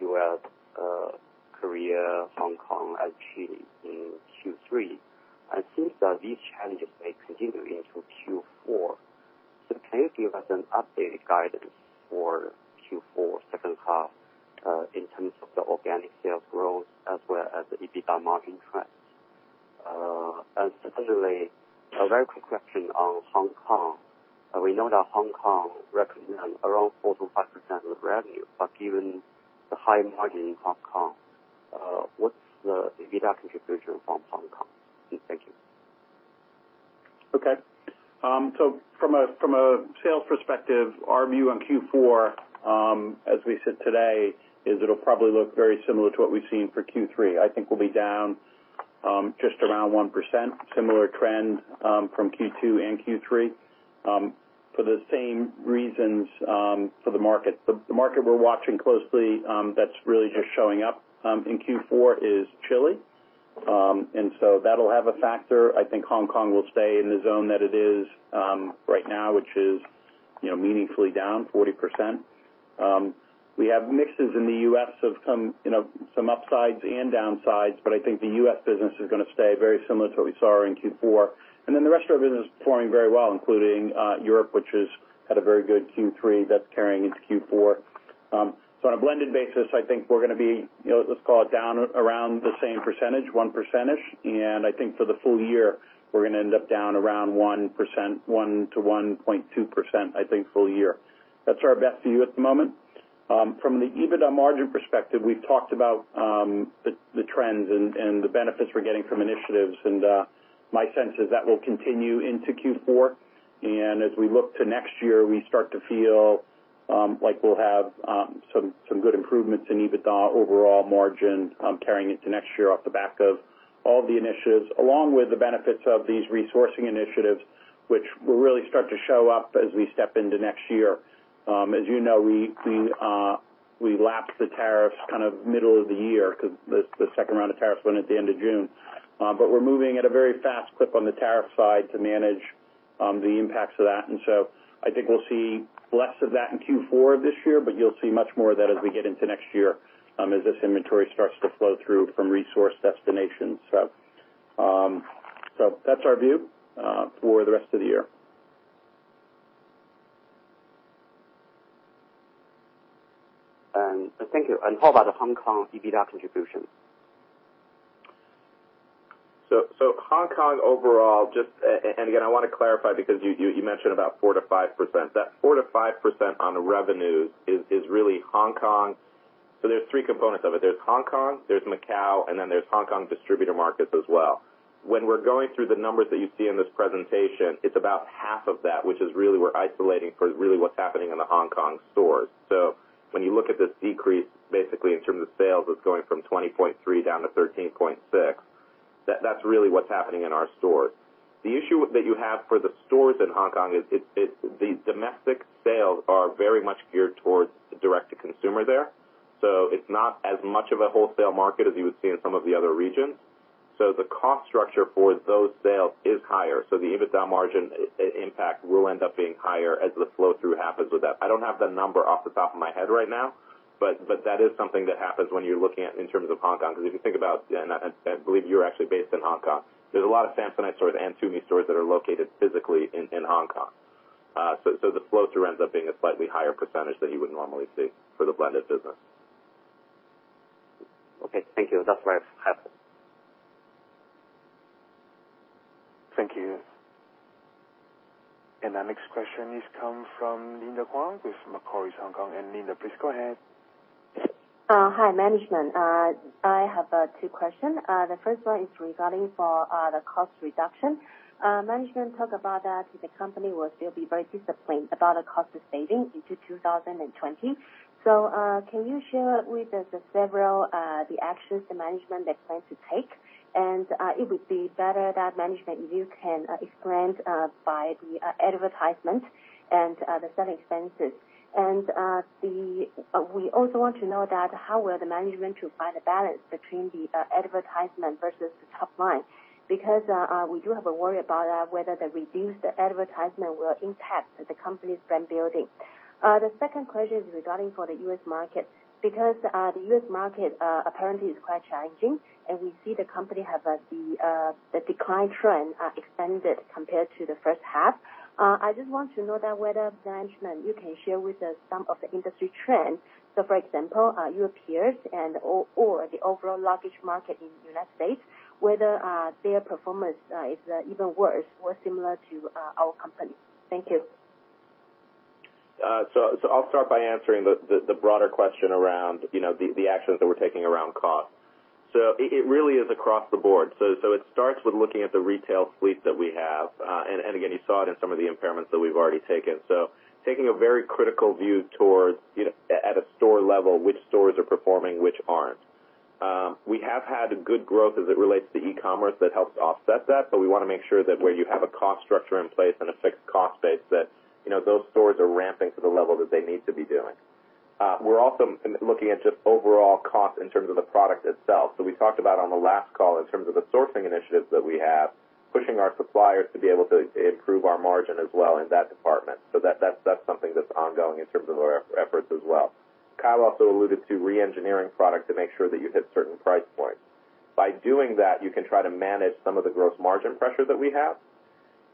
U.S., Korea, Hong Kong, and Chile in Q3, and seems that these challenges may continue into Q4. Can you give us an updated guidance for Q4 second half, in terms of the organic sales growth as well as the EBITDA margin trends? Secondly, a very quick question on Hong Kong. We know that Hong Kong represents around 4%-5% of the revenue, but given the high margin in Hong Kong, what's the EBITDA contribution from Hong Kong? Thank you. Okay. From a sales perspective, our view on Q4, as we sit today, is it'll probably look very similar to what we've seen for Q3. I think we'll be down just around 1%, similar trend from Q2 and Q3 for the same reasons for the market. The market we're watching closely that's really just showing up in Q4 is Chile. That'll have a factor. I think Hong Kong will stay in the zone that it is right now, which is meaningfully down 40%. We have mixes in the U.S., some upsides and downsides, but I think the U.S. business is going to stay very similar to what we saw in Q4. Then the rest of our business is performing very well, including Europe, which had a very good Q3 that's carrying into Q4. On a blended basis, I think we're going to be, let's call it down around the same percentage, 1%. I think for the full year, we're going to end up down around 1%, 1%-1.2%, I think full year. That's our best view at the moment. From the EBITDA margin perspective, we've talked about the trends and the benefits we're getting from initiatives, and my sense is that will continue into Q4. As we look to next year, we start to feel like we'll have some good improvements in EBITDA overall margin carrying into next year off the back of all the initiatives, along with the benefits of these resourcing initiatives, which will really start to show up as we step into next year. As you know, we lapsed the tariffs kind of middle of the year because the second round of tariffs went at the end of June. We're moving at a very fast clip on the tariff side to manage the impacts of that. I think we'll see less of that in Q4 of this year, but you'll see much more of that as we get into next year as this inventory starts to flow through from resource destinations. That's our view for the rest of the year. Thank you. How about the Hong Kong EBITDA contribution? Hong Kong overall, and again, I want to clarify because you mentioned about 4%-5%. That 4%-5% on revenues is really Hong Kong. There's three components of it. There's Hong Kong, there's Macau, and then there's Hong Kong distributor markets as well. When we're going through the numbers that you see in this presentation, it's about half of that, which is really we're isolating for really what's happening in the Hong Kong stores. When you look at this decrease, basically in terms of sales, it's going from $20.3 down to 13.6. That's really what's happening in our stores. The issue that you have for the stores in Hong Kong is the domestic sales are very much geared towards direct-to-consumer there. It's not as much of a wholesale market as you would see in some of the other regions. The cost structure for those sales is higher. The EBITDA margin impact will end up being higher as the flow-through happens with that. I don't have the number off the top of my head right now, but that is something that happens when you're looking at in terms of Hong Kong. If you think about, and I believe you're actually based in Hong Kong, there's a lot of Samsonite stores and TUMI stores that are located physically in Hong Kong. The flow-through ends up being a slightly higher percentage than you would normally see for the blended business. Okay. Thank you. That's where I have. Thank you. Our next question comes from Linda Huang with Macquarie, Hong Kong. Linda, please go ahead. Hi, management. I have two questions. The first one is regarding for the cost reduction. Management talk about that the company will still be very disciplined about the cost saving into 2020. Can you share with us the several actions the management they plan to take? It would be better that management you can explain by the advertisement and the selling expenses. We do have a worry about whether the reduced advertisement will impact the company's brand building. The second question is regarding for the U.S. market, because, the U.S. market apparently is quite challenging, and we see the company have the decline trend expanded compared to the first half. I just want to know that whether management you can share with us some of the industry trends. For example, your peers and/or the overall luggage market in United States, whether their performance is even worse or similar to our company. Thank you. I'll start by answering the broader question around the actions that we're taking around cost. It really is across the board. It starts with looking at the retail fleet that we have. Again, you saw it in some of the impairments that we've already taken. Taking a very critical view towards at a store level, which stores are performing, which aren't. We have had good growth as it relates to e-commerce that helps offset that. We want to make sure that where you have a cost structure in place and a fixed cost base, that those stores are ramping to the level that they need to be doing. We're also looking at just overall cost in terms of the product itself. We talked about on the last call in terms of the sourcing initiatives that we have, pushing our suppliers to be able to improve our margin as well in that department. That's something that's ongoing in terms of our efforts as well. Kyle also alluded to re-engineering product to make sure that you hit certain price points. By doing that, you can try to manage some of the gross margin pressure that we have.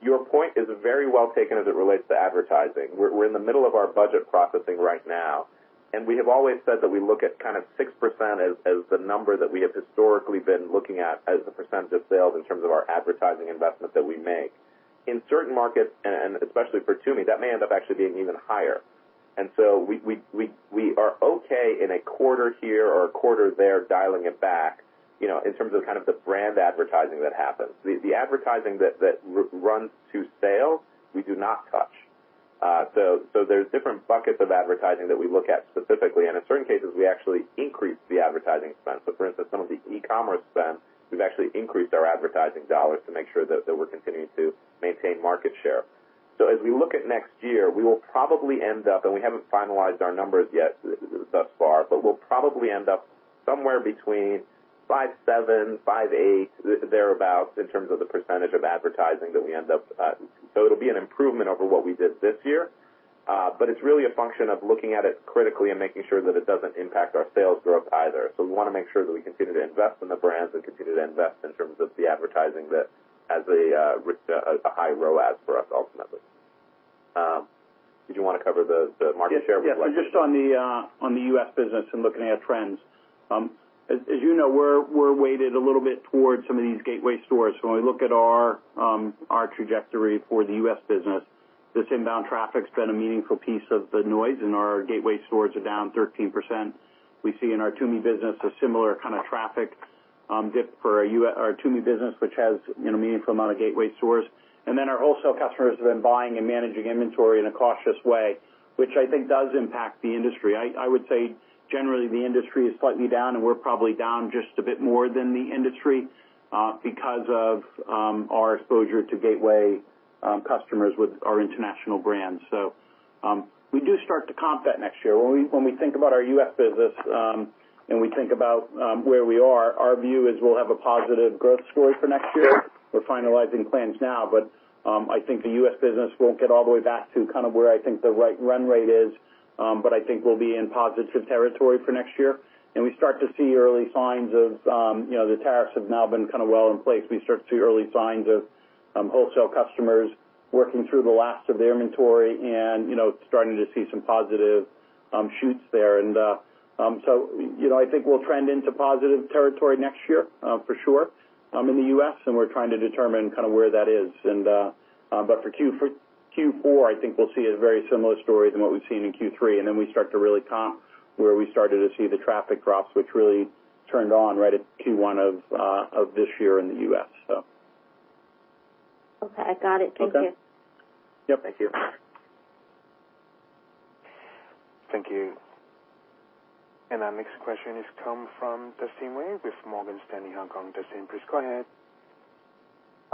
Your point is very well taken as it relates to advertising. We're in the middle of our budget processing right now, and we have always said that we look at kind of 6% as the number that we have historically been looking at as the percentage of sales in terms of our advertising investment that we make. In certain markets, and especially for TUMI, that may end up actually being even higher. We are okay in a quarter here or a quarter there dialing it back, in terms of kind of the brand advertising that happens. The advertising that runs to sale, we do not touch. There's different buckets of advertising that we look at specifically, and in certain cases, we actually increase the advertising spend. For instance, some of the e-commerce spend, we've actually increased our advertising dollars to make sure that we're continuing to maintain market share. As we look at next year, we will probably end up, and we haven't finalized our numbers yet thus far, but we'll probably end up somewhere between 5.7%-5.8%, thereabout, in terms of the percentage of advertising that we end up. It'll be an improvement over what we did this year. It's really a function of looking at it critically and making sure that it doesn't impact our sales growth either. We want to make sure that we continue to invest in the brands and continue to invest in terms of the advertising that has a high ROAS for us ultimately. Did you want to cover the market share reflection? Yes. Just on the U.S. business and looking at trends. As you know, we're weighted a little bit towards some of these gateway stores. When we look at our trajectory for the U.S. business, this inbound traffic's been a meaningful piece of the noise, and our gateway stores are down 13%. We see in our Tumi business a similar kind of traffic dip for our Tumi business, which has a meaningful amount of gateway stores. Our wholesale customers have been buying and managing inventory in a cautious way, which I think does impact the industry. I would say generally the industry is slightly down, and we're probably down just a bit more than the industry because of our exposure to gateway customers with our international brands. We do start to comp that next year. When we think about our U.S. business, and we think about where we are, our view is we'll have a positive growth story for next year. We're finalizing plans now, but I think the U.S. business won't get all the way back to kind of where I think the right run rate is. I think we'll be in positive territory for next year. We start to see early signs of the tariffs have now been kind of well in place. We start to see early signs of wholesale customers working through the last of their inventory and starting to see some positive shoots there. I think we'll trend into positive territory next year, for sure, in the U.S., and we're trying to determine kind of where that is. For Q4, I think we'll see a very similar story than what we've seen in Q3, and then we start to really comp where we started to see the traffic drops, which really turned on right at Q1 of this year in the U.S. Okay. I got it. Thank you. Okay. Yep. Thank you. Thank you. Our next question is come from Dustin Wei with Morgan Stanley, Hong Kong. Dustin, please go ahead.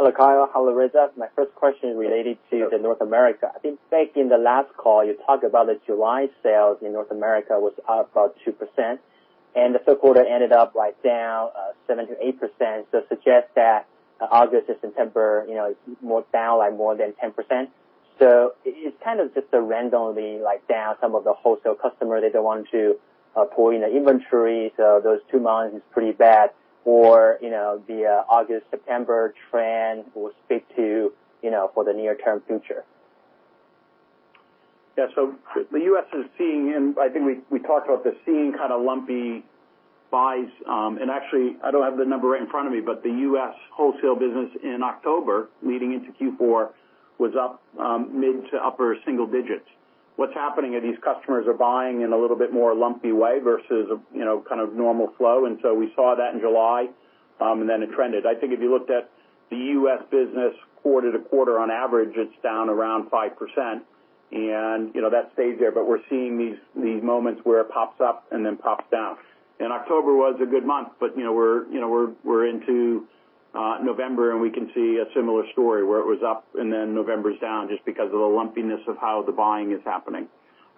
Hello, Kyle. Hello, Reza. My first question is related to the North America. I think back in the last call, you talked about the July sales in North America was up about 2%, and the third quarter ended up down 7%-8%, suggest that August and September is more down, like more than 10%. It's kind of just a randomly down. Some of the wholesale customer, they don't want to pull in the inventory, those two months is pretty bad. The August-September trend will speak to for the near-term future. The U.S. is seeing, and I think we talked about this, seeing kind of lumpy buys. Actually, I don't have the number right in front of me, the U.S. wholesale business in October leading into Q4 was up mid to upper single digits. What's happening are these customers are buying in a little bit more lumpy way versus a kind of normal flow. We saw that in July, then it trended. I think if you looked at the U.S. business quarter to quarter, on average, it's down around 5%. That stays there. We're seeing these moments where it pops up then pops down. October was a good month, we're into November, we can see a similar story, where it was up, then November's down just because of the lumpiness of how the buying is happening.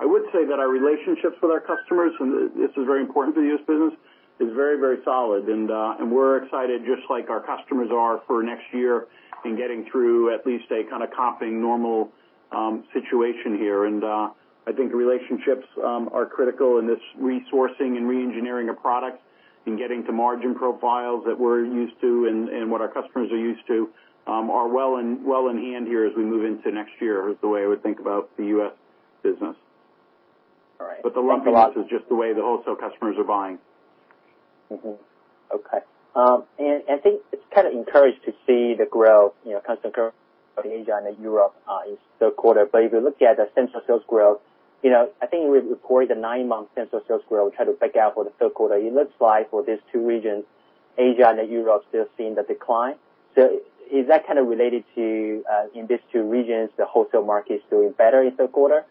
I would say that our relationships with our customers, and this is very important to the U.S. business, is very solid. We're excited, just like our customers are, for next year and getting through at least a kind of comping normal situation here. I think the relationships are critical in this resourcing and re-engineering of products and getting to margin profiles that we're used to and what our customers are used to, are well in hand here as we move into next year, is the way I would think about the U.S. business. All right. The lumpiness is just the way the wholesale customers are buying. Okay. I think it's kind of encouraged to see the growth, constant growth of Asia and Europe in this third quarter. If you look at the same-store sales growth, I think we've reported a nine-month same-store sales growth, try to back out for the third quarter. It looks like for these two regions, Asia and Europe still seeing the decline. Is that kind of related to, in these two regions, the wholesale market is doing better in third quarter?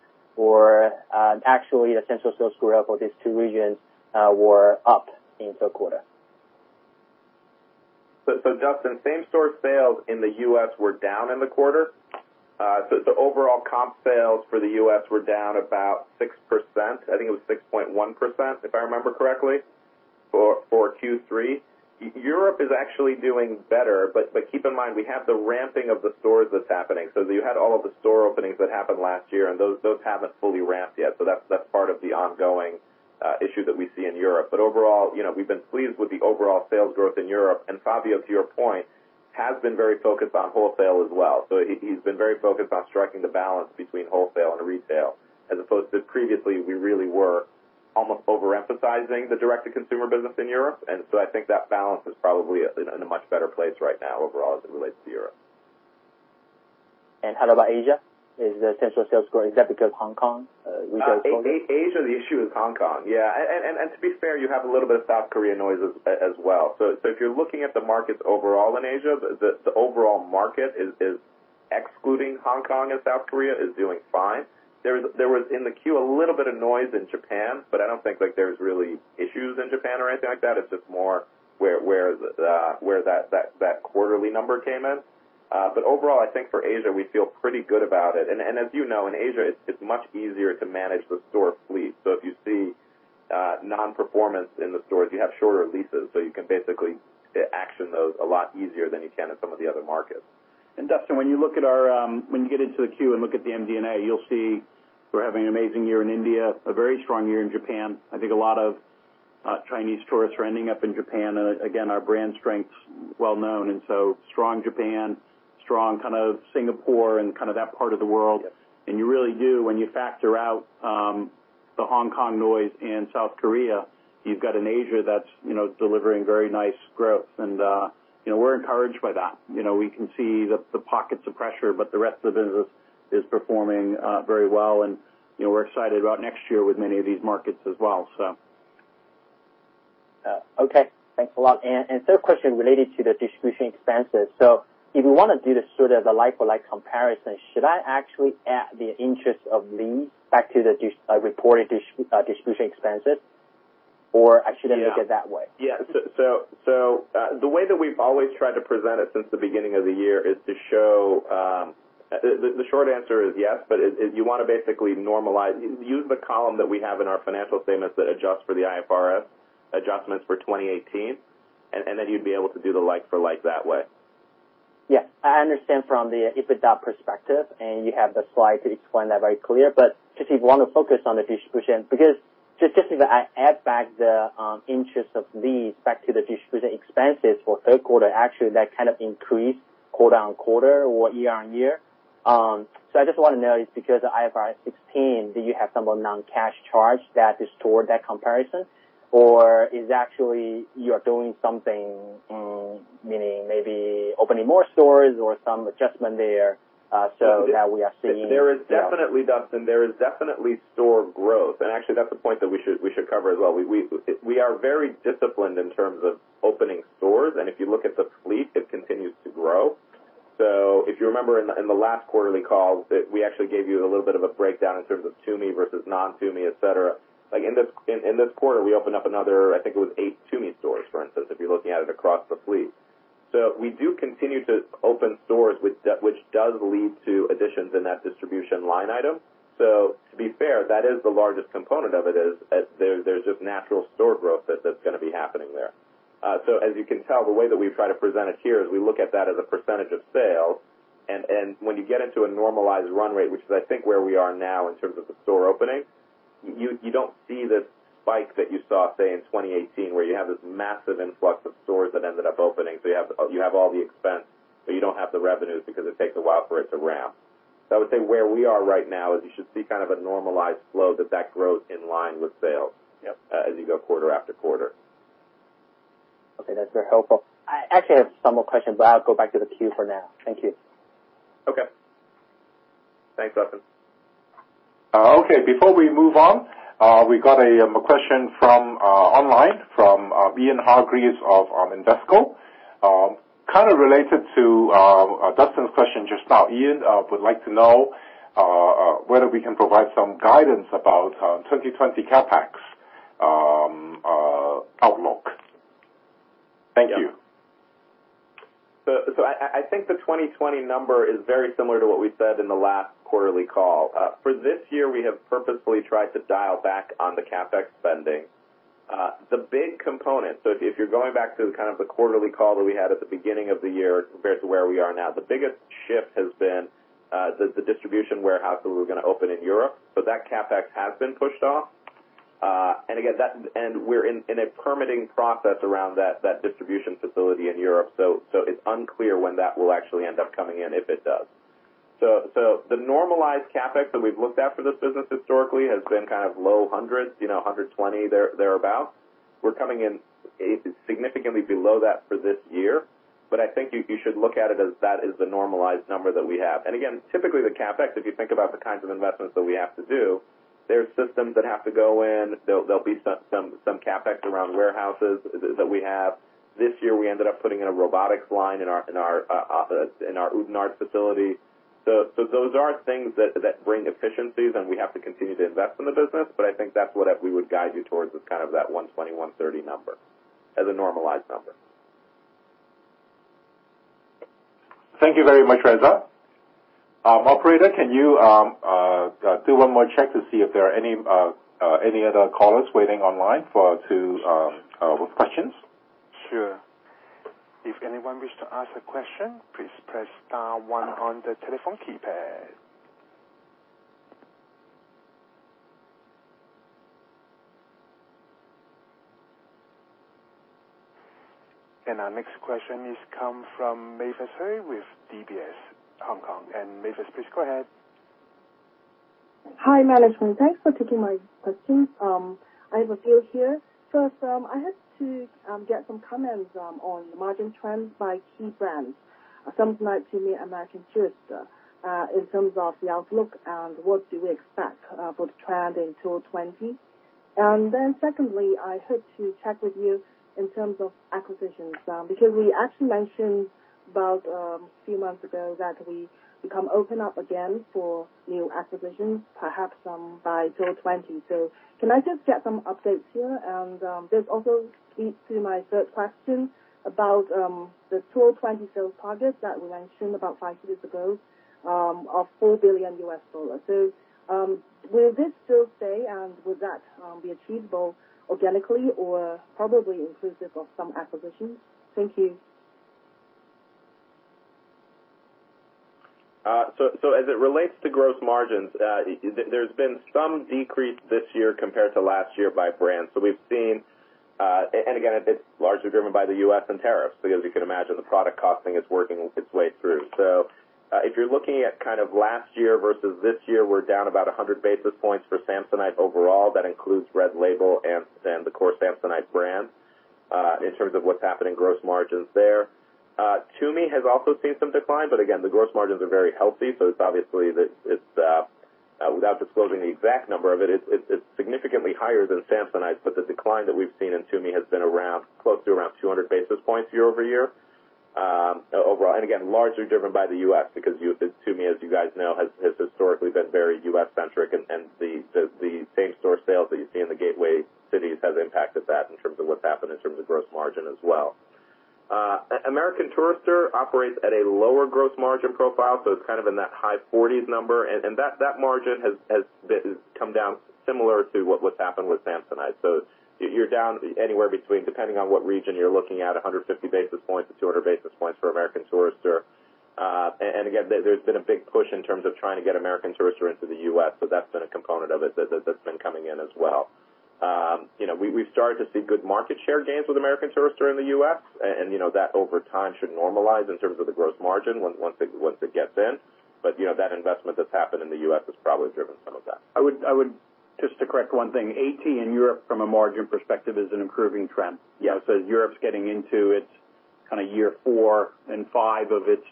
Actually, the same-store sales growth for these two regions were up in third quarter. Dustin, same-store sales in the U.S. were down in the quarter. The overall comp sales for the U.S. were down about 6%. I think it was 6.1%, if I remember correctly, for Q3. Europe is actually doing better, but keep in mind, we have the ramping of the stores that's happening. You had all of the store openings that happened last year, and those haven't fully ramped yet. That's part of the ongoing issue that we see in Europe. Overall, we've been pleased with the overall sales growth in Europe. Fabio, to your point, has been very focused on wholesale as well. He's been very focused on striking the balance between wholesale and retail, as opposed to previously, we really were almost overemphasizing the direct-to-consumer business in Europe. I think that balance is probably in a much better place right now overall as it relates to Europe. How about Asia? Is the same-store sales growth, is that because Hong Kong retail closed down? Asia, the issue is Hong Kong. Yeah. To be fair, you have a little bit of South Korea noise as well. If you're looking at the markets overall in Asia, the overall market is excluding Hong Kong and South Korea is doing fine. There was, in the Q, a little bit of noise in Japan. I don't think there's really issues in Japan or anything like that. It's just more where that quarterly number came in. Overall, I think for Asia, we feel pretty good about it. As you know, in Asia, it's much easier to manage the store fleet. If you see non-performance in the stores, you have shorter leases. You can basically action those a lot easier than you can in some of the other markets. Dustin, when you get into the queue and look at the MD&A, you'll see we're having an amazing year in India, a very strong year in Japan. I think a lot of Chinese tourists are ending up in Japan. Again, our brand strength's well-known. Strong Japan, strong Singapore, and that part of the world. Yes. You really do, when you factor out the Hong Kong noise and South Korea, you've got an Asia that's delivering very nice growth. We're encouraged by that. We can see the pockets of pressure, but the rest of the business is performing very well, and we're excited about next year with many of these markets as well. Okay. Thanks a lot. Third question related to the distribution expenses. If we want to do the sort of the like-for-like comparison, should I actually add the interest of lease back to the reported distribution expenses? Or I shouldn't? Yeah look at it that way. Yeah. The short answer is yes, but you want to basically normalize. Use the column that we have in our financial statements that adjusts for the IFRS adjustments for 2018, and then you'd be able to do the like for like that way. Yes. I understand from the EBITDA perspective, and you have the slide to explain that very clear. Just if you want to focus on the distribution, because just if I add back the interest of these back to the distribution expenses for third quarter, actually, that kind of increased quarter-on-quarter or year-on-year. I just want to know, is it because of IFRS 16, do you have some non-cash charge that distort that comparison? Or is actually you're doing something, meaning maybe opening more stores or some adjustment there, so now we are seeing that? There is definitely, Dustin, there is definitely store growth. Actually, that's a point that we should cover as well. We are very disciplined in terms of opening stores. If you look at the fleet, it continues to grow. If you remember in the last quarterly calls, we actually gave you a little bit of a breakdown in terms of Tumi versus non-Tumi, et cetera. In this quarter, we opened up another, I think it was eight Tumi stores, for instance, if you're looking at it across the fleet. We do continue to open stores which does lead to additions in that distribution line item. To be fair, that is the largest component of it, is there's just natural store growth that's going to be happening there. As you can tell, the way that we've tried to present it here is we look at that as a percentage of sales, and when you get into a normalized run rate, which is, I think, where we are now in terms of the store openings, you don't see this spike that you saw, say, in 2018, where you have this massive influx of stores that ended up opening. You have all the expense, but you don't have the revenues because it takes a while for it to ramp. I would say where we are right now is you should see a normalized flow that grows in line with sales as you go quarter after quarter. Okay, that's very helpful. I actually have some more questions, but I'll go back to the queue for now. Thank you. Okay. Thanks, Dustin. Okay, before we move on, we got a question from online, from Ian Hargreaves of Invesco. Kind of related to Dustin's question just now. Ian would like to know whether we can provide some guidance about 2020 CapEx outlook. Thank you. I think the 2020 number is very similar to what we said in the last quarterly call. For this year, we have purposefully tried to dial back on the CapEx spending. The big component, if you're going back to the quarterly call that we had at the beginning of the year compared to where we are now, the biggest shift has been the distribution warehouse that we were going to open in Europe. That CapEx has been pushed off. Again, we're in a permitting process around that distribution facility in Europe. It's unclear when that will actually end up coming in, if it does. The normalized CapEx that we've looked at for this business historically has been low hundreds, $120, thereabout. We're coming in significantly below that for this year. I think you should look at it as that is the normalized number that we have. Again, typically, the CapEx, if you think about the kinds of investments that we have to do, there's systems that have to go in. There'll be some CapEx around warehouses that we have. This year, we ended up putting in a robotics line in our Oudenaarde facility. Those are things that bring efficiencies, and we have to continue to invest in the business. I think that's what we would guide you towards is that $120-$130 number as a normalized number. Thank you very much, Reza. Operator, can you do one more check to see if there are any other callers waiting online with questions? Sure. If anyone wishes to ask a question, please press star one on the telephone keypad. Our next question is coming from Mavis Hui with DBS Hong Kong. Mavis, please go ahead. Hi, management. Thanks for taking my questions. I have a few here. I have to get some comments on the margin trends by key brands, Samsonite, TUMI, American Tourister, in terms of the outlook and what do we expect for the trend in 2020. Secondly, I hope to check with you in terms of acquisitions, because we actually mentioned about a few months ago that we become open up again for new acquisitions, perhaps by 2020. Can I just get some updates here? This also leads to my third question about the 2020 sales target that we mentioned about five years ago of $4 billion. Will this still stay, and would that be achievable organically or probably inclusive of some acquisitions? Thank you. As it relates to gross margins, there's been some decrease this year compared to last year by brand. We've seen, and again, it's largely driven by the U.S. and tariffs, because you can imagine the product costing is working its way through. If you're looking at last year versus this year, we're down about 100 basis points for Samsonite overall. That includes Samsonite RED and the core Samsonite brand in terms of what's happening, gross margins there. TUMI has also seen some decline, but again, the gross margins are very healthy, so it's obviously, without disclosing the exact number of it's significantly higher than Samsonite. The decline that we've seen in TUMI has been close to around 200 basis points year-over-year overall. Largely driven by the U.S. because TUMI, as you guys know, has historically been very U.S.-centric, and the same-store sales that you see in the gateway cities has impacted that in terms of what's happened in terms of gross margin as well. American Tourister operates at a lower gross margin profile, so it's in that high 40s number, and that margin has come down similar to what's happened with Samsonite. You're down anywhere between, depending on what region you're looking at, 150 basis points to 200 basis points for American Tourister. Again, there's been a big push in terms of trying to get American Tourister into the U.S., so that's been a component of it that's been coming in as well. We've started to see good market share gains with American Tourister in the U.S. That over time should normalize in terms of the gross margin once it gets in. That investment that's happened in the U.S. has probably driven some of that. Just to correct one thing, AT in Europe from a margin perspective is an improving trend. Yeah. Europe's getting into its year four and five of its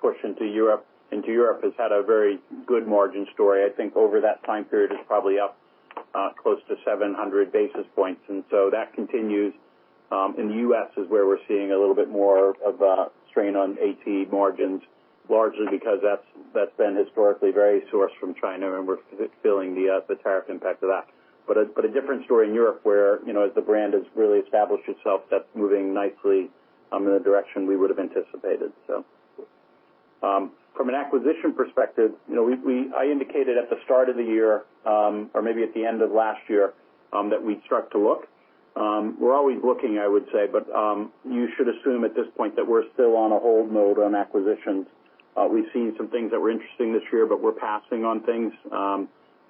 push into Europe. It's had a very good margin story. I think over that time period, it's probably up. Close to 700 basis points. That continues in the U.S. is where we're seeing a little bit more of a strain on AT margins, largely because that's been historically very sourced from China and we're feeling the tariff impact of that. A different story in Europe where, as the brand has really established itself, that's moving nicely in the direction we would've anticipated. From an acquisition perspective, I indicated at the start of the year, or maybe at the end of last year, that we'd start to look. We're always looking, I would say, but you should assume at this point that we're still on a hold mode on acquisitions. We've seen some things that were interesting this year, but we're passing on things.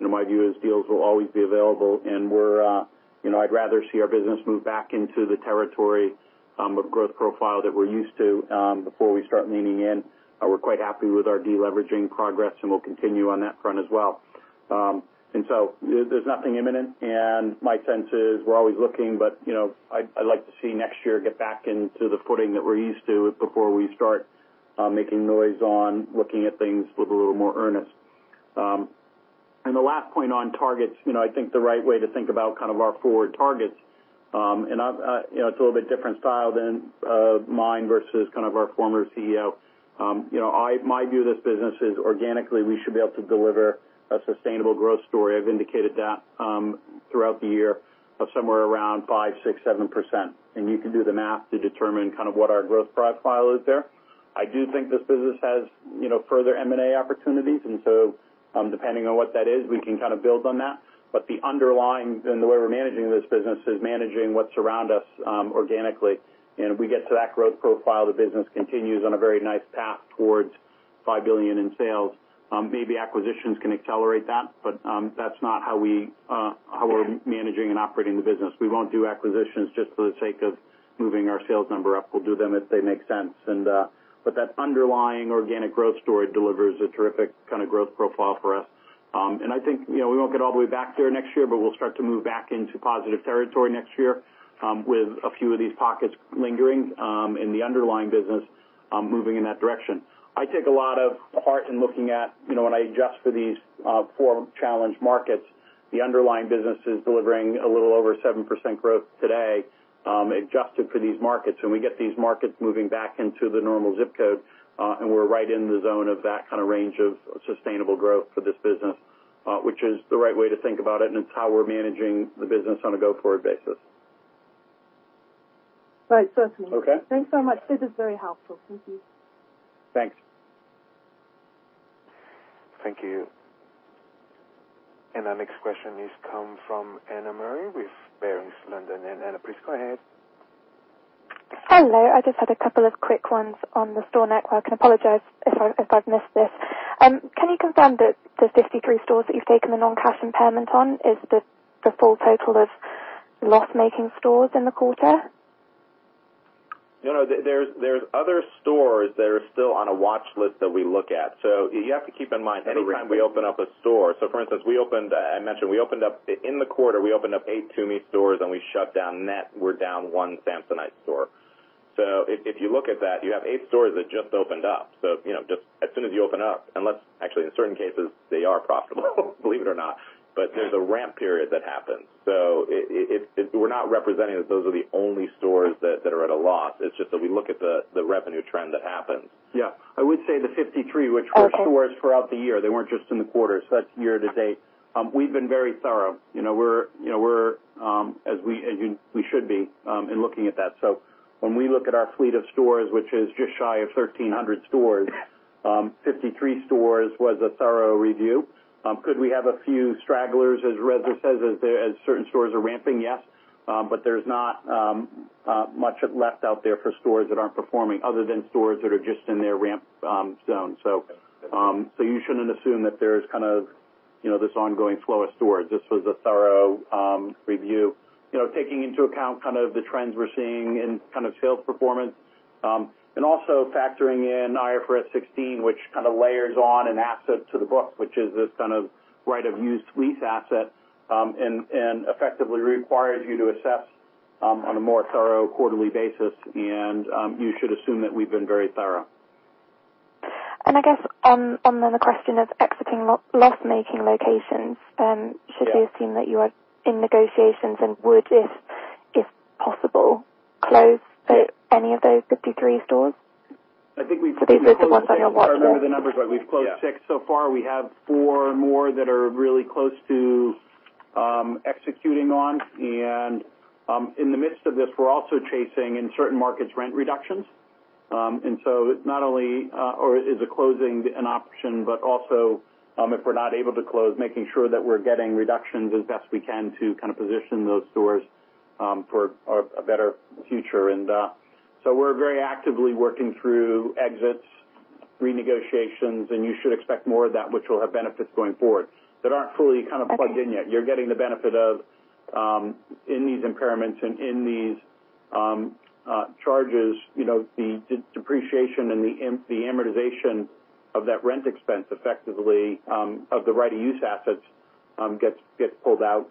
My view is deals will always be available, and I'd rather see our business move back into the territory of growth profile that we're used to, before we start leaning in. We're quite happy with our de-leveraging progress, and we'll continue on that front as well. There's nothing imminent, and my sense is we're always looking, but I'd like to see next year get back into the footing that we're used to before we start making noise on looking at things with a little more earnest. The last point on targets. I think the right way to think about our forward targets, and it's a little bit different style than mine versus our former CEO. My view of this business is organically we should be able to deliver a sustainable growth story. I've indicated that throughout the year of somewhere around 5%-7%. You can do the math to determine what our growth profile is there. I do think this business has further M&A opportunities. Depending on what that is, we can build on that. The underlying and the way we're managing this business is managing what's around us, organically. If we get to that growth profile, the business continues on a very nice path towards $5 billion in sales. Maybe acquisitions can accelerate that's not how we are managing and operating the business. We won't do acquisitions just for the sake of moving our sales number up. We'll do them if they make sense. That underlying organic growth story delivers a terrific kind of growth profile for us. I think, we won't get all the way back there next year, but we'll start to move back into positive territory next year, with a few of these pockets lingering, in the underlying business, moving in that direction. I take a lot of heart in looking at when I adjust for these four challenged markets, the underlying business is delivering a little over 7% growth today, adjusted for these markets. When we get these markets moving back into the normal zip code, and we're right in the zone of that kind of range of sustainable growth for this business, which is the right way to think about it, and it's how we're managing the business on a go-forward basis. Right. Certainly. Okay. Thanks so much. This is very helpful. Thank you. Thanks. Thank you. Our next question comes from Anna Murray with Barings London. Anna, please go ahead. Hello. I just had a couple of quick ones on the store network. I apologize if I've missed this. Can you confirm that the 53 stores that you've taken the non-cash impairment on is the full total of loss-making stores in the quarter? No. There's other stores that are still on a watch list that we look at. You have to keep in mind every time we open up a store, so for instance, I mentioned, in the quarter, we opened up eight TUMI stores and we shut down. Net, we're down one Samsonite store. If you look at that, you have eight stores that just opened up. As soon as you open up, unless actually in certain cases they are profitable believe it or not, but there's a ramp period that happens. We're not representing that those are the only stores that are at a loss. It's just that we look at the revenue trend that happens. Yeah. I would say the 53, which were stores throughout the year, they weren't just in the quarter, so that's year to date. We've been very thorough. We're as we should be, in looking at that. When we look at our fleet of stores, which is just shy of 1,300 stores, 53 stores was a thorough review. Could we have a few stragglers, as Reza says, as certain stores are ramping? Yes. There's not much left out there for stores that aren't performing, other than stores that are just in their ramp zone. You shouldn't assume that there's this ongoing flow of stores. This was a thorough review, taking into account the trends we're seeing in sales performance. Also factoring in IFRS 16, which layers on an asset to the book, which is this right of used lease asset, and effectively requires you to assess on a more thorough quarterly basis. You should assume that we've been very thorough. I guess on the question of exiting loss-making locations. Yeah should we assume that you are in negotiations and would, if possible, close any of those 53 stores? I think we've closed some. These are the ones on your watch list. I don't remember the numbers, but we've closed six so far. We have four more that are really close to executing on. In the midst of this, we're also chasing, in certain markets, rent reductions. Not only is a closing an option, but also, if we're not able to close, making sure that we're getting reductions as best we can to position those stores for a better future. We're very actively working through exits, renegotiations, and you should expect more of that, which will have benefits going forward that aren't fully plugged in yet. You're getting the benefit of, in these impairments and in these charges, the depreciation and the amortization of that rent expense effectively, of the right of use assets, gets pulled out.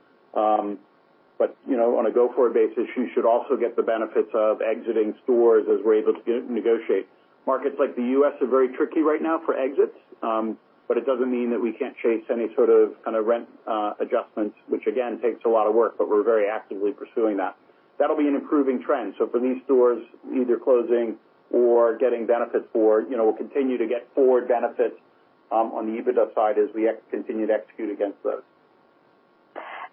On a go-forward basis, you should also get the benefits of exiting stores as we're able to negotiate. Markets like the U.S. are very tricky right now for exits, but it doesn't mean that we can't chase any sort of rent adjustments, which again, takes a lot of work, but we're very actively pursuing that. That'll be an improving trend. For these stores, either closing or getting benefit for, we'll continue to get forward benefits on the EBITDA side as we continue to execute against those.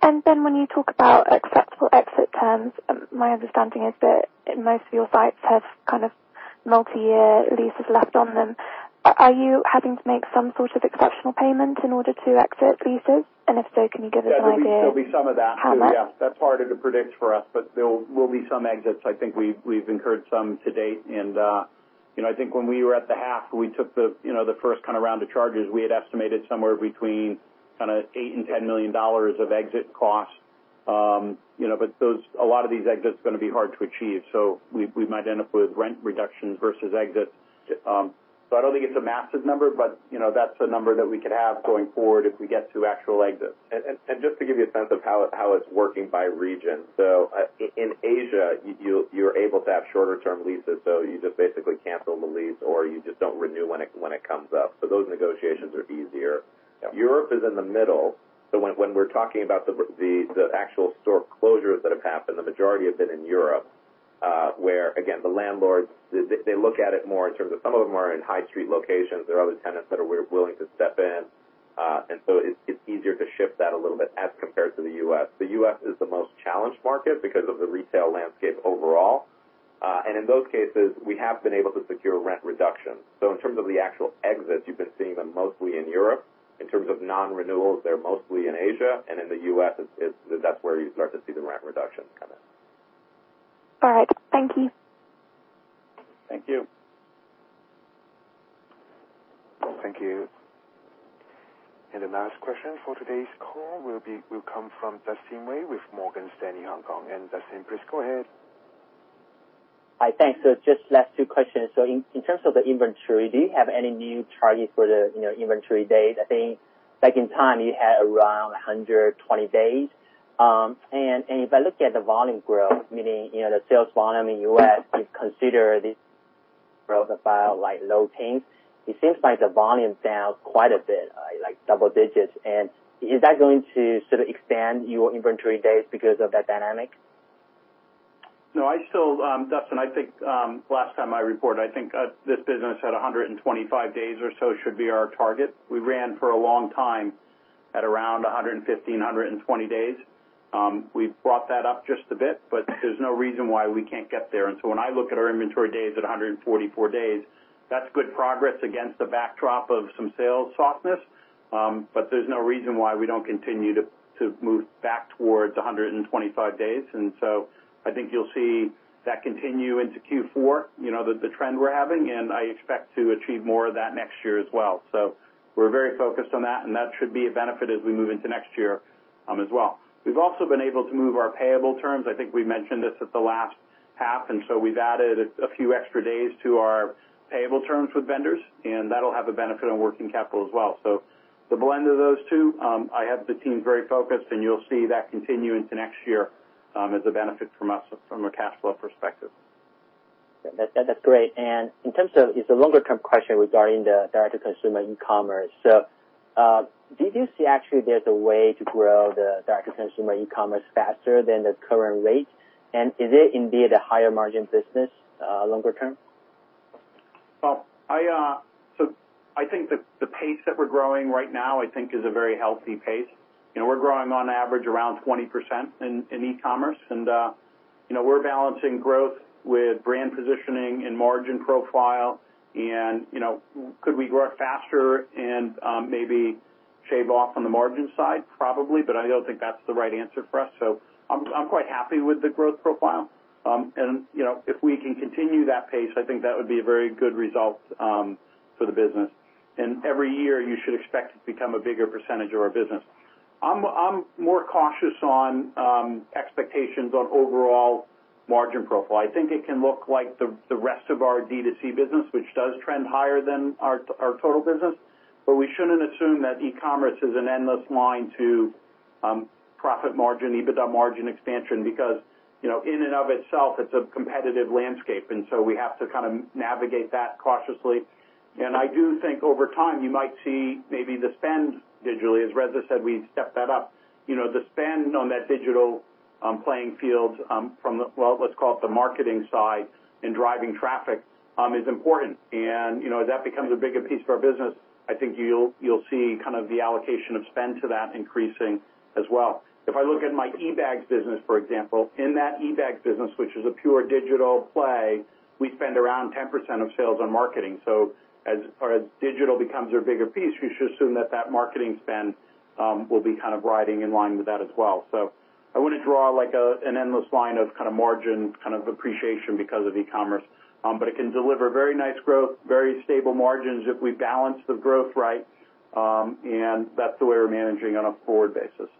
When you talk about acceptable exit terms, my understanding is that most of your sites have multi-year leases left on them. Are you having to make some sort of exceptional payment in order to exit leases? If so, can you give us an idea? Yeah. There'll be some of that too. How much? That's harder to predict for us, but there will be some exits. I think we've incurred some to date, and I think when we were at the half, we took the first round of charges, we had estimated somewhere between $8 million and $10 million of exit costs. A lot of these exits are going to be hard to achieve. We might end up with rent reductions versus exits. I don't think it's a massive number, but that's a number that we could have going forward if we get to actual exits. Just to give you a sense of how it's working by region. In Asia, you're able to have shorter term leases, so you just basically cancel the lease or you just don't renew when it comes up. Those negotiations are easier. Yep. Europe is in the middle. When we're talking about the actual store closures that have happened, the majority have been in Europe, where again, the landlords, they look at it more in terms of some of them are in high street locations. There are other tenants that are willing to step in. It's easier to shift that a little bit as compared to the U.S. The U.S. is the most challenged market because of the retail landscape overall. In those cases, we have been able to secure rent reductions. In terms of the actual exits, you've been seeing them mostly in Europe. In terms of non-renewals, they're mostly in Asia. In the U.S., that's where you start to see the rent reductions come in. All right. Thank you. Thank you. Thank you. The last question for today's call will come from Dustin Wei with Morgan Stanley, Hong Kong. Dustin, please go ahead. Hi. Thanks. Just last two questions. In terms of the inventory, do you have any new targets for the inventory days? I think back in time, you had around 120 days. If I look at the volume growth, meaning the sales volume in U.S., if you consider this growth profile like low teens, it seems like the volume is down quite a bit, like double digits. Is that going to expand your inventory days because of that dynamic? No. Dustin, I think last time I reported, I think this business had 125 days or so should be our target. We ran for a long time at around 115, 120 days. We've brought that up just a bit, there's no reason why we can't get there. When I look at our inventory days at 144 days, that's good progress against the backdrop of some sales softness. There's no reason why we don't continue to move back towards 125 days. I think you'll see that continue into Q4, the trend we're having, and I expect to achieve more of that next year as well. We're very focused on that, and that should be a benefit as we move into next year as well. We've also been able to move our payable terms. I think we mentioned this at the last half, we've added a few extra days to our payable terms with vendors, and that'll have a benefit on working capital as well. The blend of those two, I have the team very focused, and you'll see that continue into next year as a benefit from us from a cash flow perspective. That's great. In terms of, it's a longer term question regarding the direct to consumer e-commerce. Do you see actually there's a way to grow the direct to consumer e-commerce faster than the current rate? Is it indeed a higher margin business longer term? I think the pace that we're growing right now, I think is a very healthy pace. We're growing on average around 20% in e-commerce, and we're balancing growth with brand positioning and margin profile. Could we grow it faster and maybe shave off on the margin side? Probably, but I don't think that's the right answer for us. I'm quite happy with the growth profile. If we can continue that pace, I think that would be a very good result for the business. Every year, you should expect it to become a bigger percentage of our business. I'm more cautious on expectations on overall margin profile. I think it can look like the rest of our D2C business, which does trend higher than our total business. We shouldn't assume that e-commerce is an endless line to profit margin, EBITDA margin expansion, because in and of itself, it's a competitive landscape. We have to navigate that cautiously. I do think over time, you might see maybe the spend digitally, as Reza said, we stepped that up. The spend on that digital playing field from the, well, let's call it the marketing side in driving traffic, is important. As that becomes a bigger piece of our business, I think you'll see the allocation of spend to that increasing as well. If I look at my eBags business, for example, in that eBags business, which is a pure digital play, we spend around 10% of sales on marketing. As digital becomes a bigger piece, you should assume that that marketing spend will be riding in line with that as well. I wouldn't draw an endless line of margin appreciation because of e-commerce. It can deliver very nice growth, very stable margins if we balance the growth right and that's the way we're managing on a forward basis.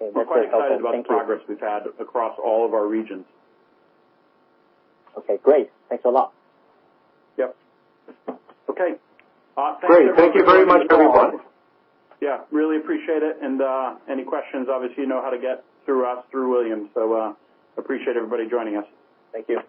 Okay. That's helpful. Thank you. We're quite excited about the progress we've had across all of our regions. Okay, great. Thanks a lot. Yep. Okay. Great. Thank you very much, everyone. Yeah. Really appreciate it. Any questions, obviously you know how to get through us, through William. Appreciate everybody joining us. Thank you.